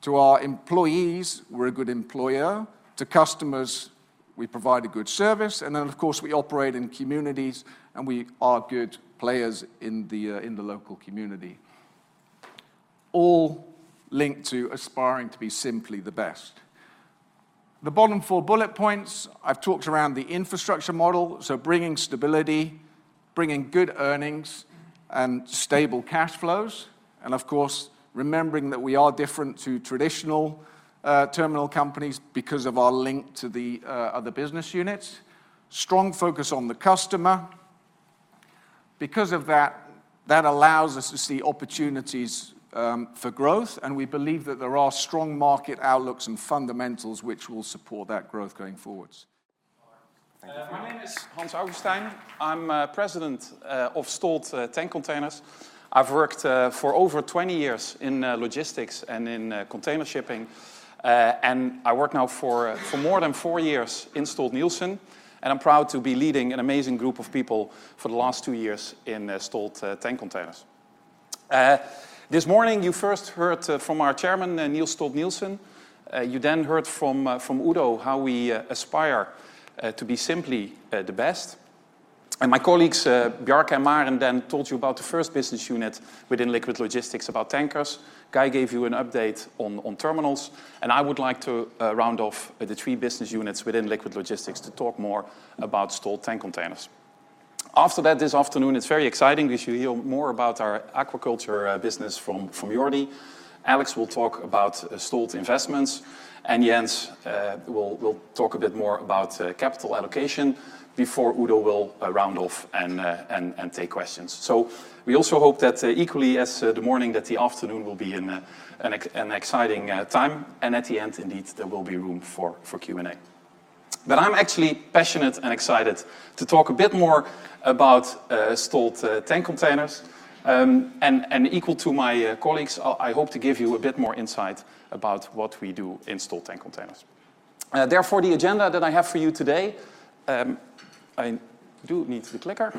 [SPEAKER 7] To our employees, we're a good employer. To customers, we provide a good service, and then, of course, we operate in communities, and we are good players in the local community. All linked to aspiring to be simply the best. The bottom four bullet points, I've talked around the infrastructure model, so bringing stability, bringing good earnings and stable cash flows, and of course, remembering that we are different to traditional terminal companies because of our link to the other business units. Strong focus on the customer. Because of that, that allows us to see opportunities for growth, and we believe that there are strong market outlooks and fundamentals which will support that growth going forward.
[SPEAKER 8] Thank you. My name is Hans Augusteijn. I'm President of Stolt Tank Containers. I've worked for over 20 years in logistics and in container shipping. I work now for more than four years in Stolt-Nielsen, and I'm proud to be leading an amazing group of people for the last two years in Stolt Tank Containers. This morning, you first heard from our Chairman Niels Stolt-Nielsen. You then heard from Udo, how we aspire to be Simply the Best. My colleagues Bjarke and Maren then told you about the first business unit within Liquid Logistics, about tankers. Guy gave you an update on terminals, and I would like to round off the three business units within Liquid Logistics to talk more about Stolt Tank Containers. After that, this afternoon, it's very exciting, because you'll hear more about our aquaculture business from Jordi. Alex will talk about Stolt Investments, and Jens will talk a bit more about capital allocation before Udo will round off and take questions. So we also hope that equally as the morning, that the afternoon will be an exciting time, and at the end, indeed, there will be room for Q&A. But I'm actually passionate and excited to talk a bit more about Stolt Tank Containers. And equal to my colleagues, I hope to give you a bit more insight about what we do in Stolt Tank Containers. Therefore, the agenda that I have for you today, I do need the clicker.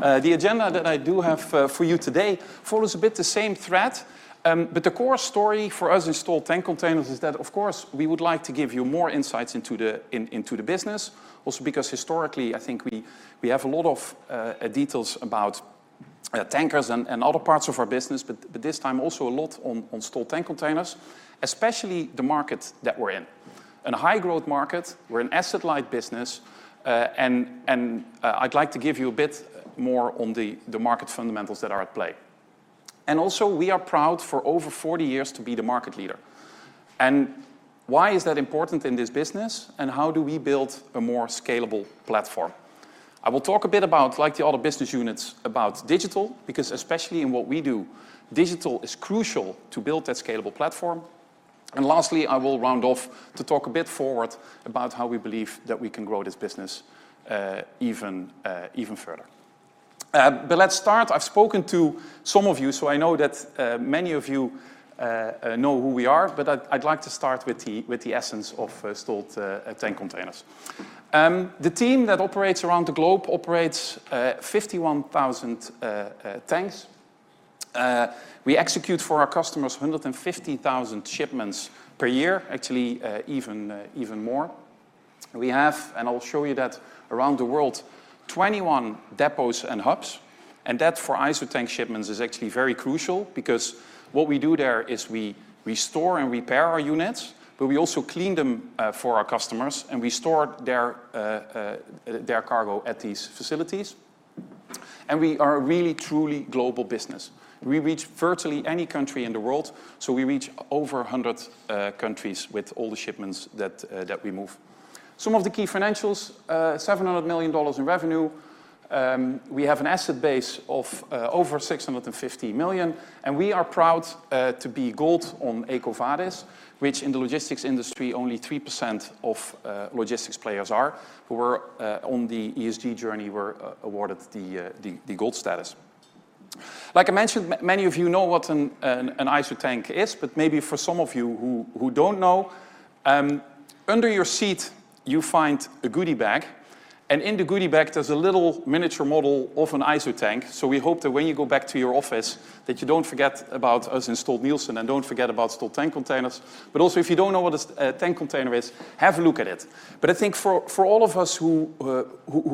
[SPEAKER 8] The agenda that I do have for you today follows a bit the same thread, but the core story for us in Stolt Tank Containers is that, of course, we would like to give you more insights into the business. Also, because historically, I think we have a lot of details about tankers and other parts of our business, but this time, also a lot on Stolt Tank Containers, especially the market that we're in. In a high-growth market, we're an asset-light business, and I'd like to give you a bit more on the market fundamentals that are at play and also we are proud for over 40 years to be the market leader. And why is that important in this business, and how do we build a more scalable platform? I will talk a bit about, like the other business units, about digital, because especially in what we do, digital is crucial to build that scalable platform. And lastly, I will round off to talk a bit forward about how we believe that we can grow this business, even, even further. But let's start. I've spoken to some of you, so I know that, many of you, know who we are, but I'd, I'd like to start with the, with the essence of, Stolt Tank Containers. The team that operates around the globe operates, 51,000, tanks. We execute for our customers 150,000 shipments per year, actually, even, even more. We have, and I'll show you that around the world, 21 depots and hubs, and that for ISO Tank shipments is actually very crucial because what we do there is we restore and repair our units, but we also clean them for our customers, and we store their cargo at these facilities. We are a really, truly global business. We reach virtually any country in the world, so we reach over 100 countries with all the shipments that we move. Some of the key financials, $700 million in revenue. We have an asset base of over $650 million, and we are proud to be gold on EcoVadis, which in the logistics industry, only 3% of logistics players are, who are on the ESG journey, were awarded the gold status. Like I mentioned, many of you know what an ISO Tank is, but maybe for some of you who don't know, under your seat, you find a goodie bag, and in the goodie bag, there's a little miniature model of an ISO Tank. So we hope that when you go back to your office, that you don't forget about us in Stolt-Nielsen, and don't forget about Stolt Tank Containers. But also, if you don't know what a tank container is, have a look at it. But I think for all of us who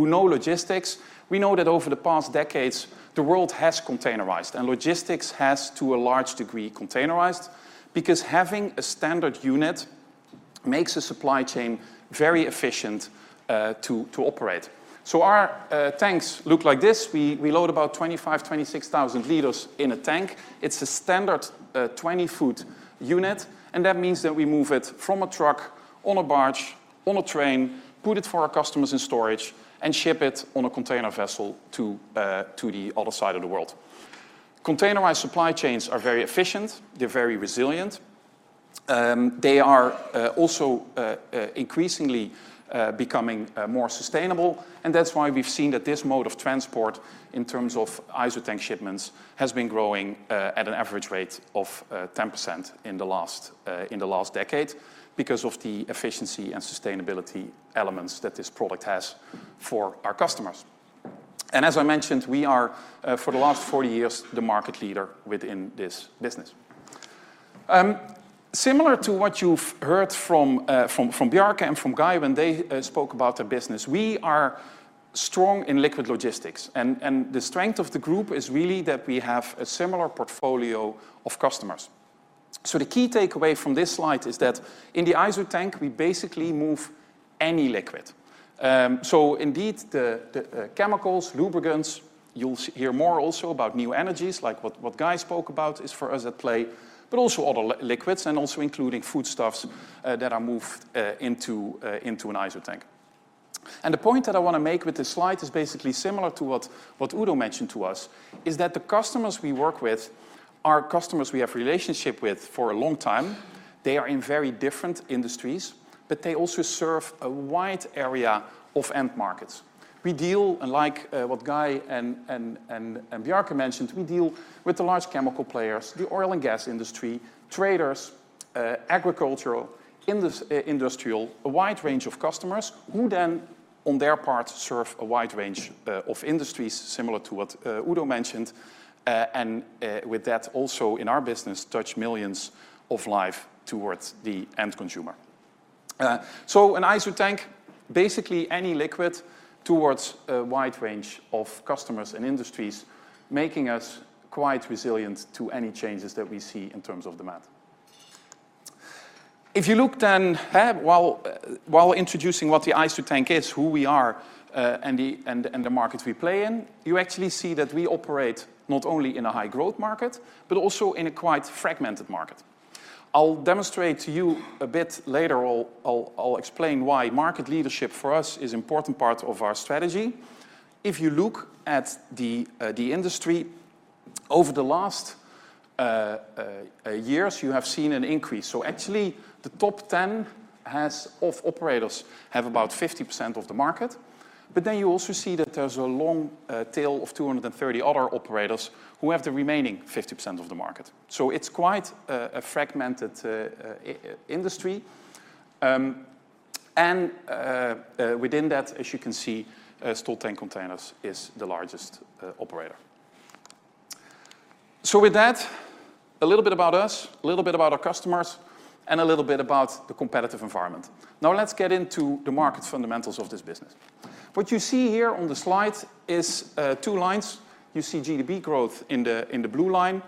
[SPEAKER 8] know logistics, we know that over the past decades, the world has containerized, and logistics has, to a large degree, containerized, because having a standard unit makes a supply chain very efficient, to operate. So our tanks look like this. We load about 25-26 thousand liters in a tank. It's a standard 20-foot unit, and that means that we move it from a truck on a barge, on a train, put it for our customers in storage, and ship it on a container vessel to the other side of the world. Containerized supply chains are very efficient, they're very resilient. They are also increasingly becoming more sustainable, and that's why we've seen that this mode of transport, in terms of ISO Tank shipments, has been growing at an average rate of 10% in the last decade, because of the efficiency and sustainability elements that this product has for our customers. As I mentioned, we are for the last 40 years, the market leader within this business. Similar to what you've heard from Bjarke and from Guy, when they spoke about their business, we are strong in liquid logistics, and the strength of the group is really that we have a similar portfolio of customers. So the key takeaway from this slide is that in the ISO Tank, we basically move any liquid. So indeed, the chemicals, lubricants, you'll hear more also about new energies, like what Guy spoke about is for us at play, but also other liquids and also including foodstuffs that are moved into an ISO Tank. And the point that I wanna make with this slide is basically similar to what Udo mentioned to us, is that the customers we work with are customers we have relationship with for a long time. They are in very different industries, but they also serve a wide area of end markets. We deal, and like what Guy and Bjarke mentioned, we deal with the large chemical players, the oil and gas industry, traders, agricultural, industrial, a wide range of customers, who then, on their part, serve a wide range of industries, similar to what Udo mentioned, and with that, also in our business, touch millions of life towards the end consumer. So an ISO tank, basically any liquid towards a wide range of customers and industries, making us quite resilient to any changes that we see in terms of demand. If you look then, while introducing what the ISO tank is, who we are, and the market we play in, you actually see that we operate not only in a high growth market, but also in a quite fragmented market. I'll demonstrate to you a bit later. I'll explain why market leadership for us is important part of our strategy. If you look at the industry, over the last years, you have seen an increase. So actually, the top 10 list of operators have about 50% of the market, but then you also see that there's a long tail of 230 other operators who have the remaining 50% of the market. So it's quite a fragmented within that, as you can see, Stolt Tank Containers is the largest operator. So with that, a little bit about us, a little bit about our customers, and a little bit about the competitive environment. Now, let's get into the market fundamentals of this business. What you see here on the slide is two lines. You see GDP growth in the blue line,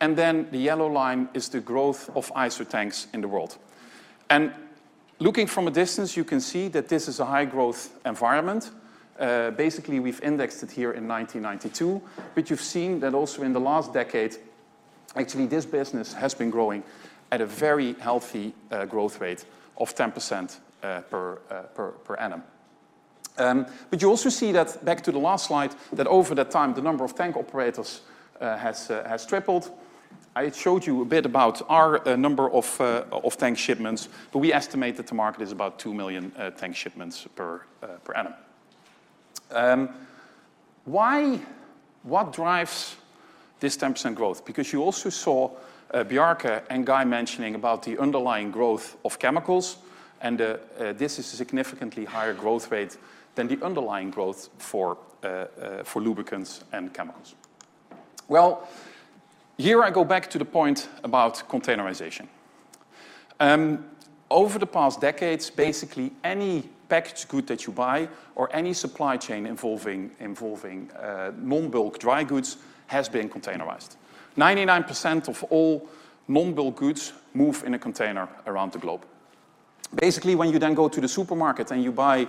[SPEAKER 8] and then the yellow line is the growth of ISO tanks in the world. And looking from a distance, you can see that this is a high-growth environment. Basically, we've indexed it here in 1992, but you've seen that also in the last decade, actually, this business has been growing at a very healthy growth rate of 10% per annum. But you also see that, back to the last slide, that over that time, the number of tank operators has tripled. I showed you a bit about our number of tank shipments, but we estimate that the market is about 2 million tank shipments per annum. What drives this 10% growth? Because you also saw, Bjarke and Guy mentioning about the underlying growth of chemicals, and, this is a significantly higher growth rate than the underlying growth for, for lubricants and chemicals. Well, here I go back to the point about containerization. Over the past decades, basically any packaged good that you buy or any supply chain involving, involving, non-bulk dry goods, has been containerized. 99% of all non-bulk goods move in a container around the globe. Basically, when you then go to the supermarket and you buy,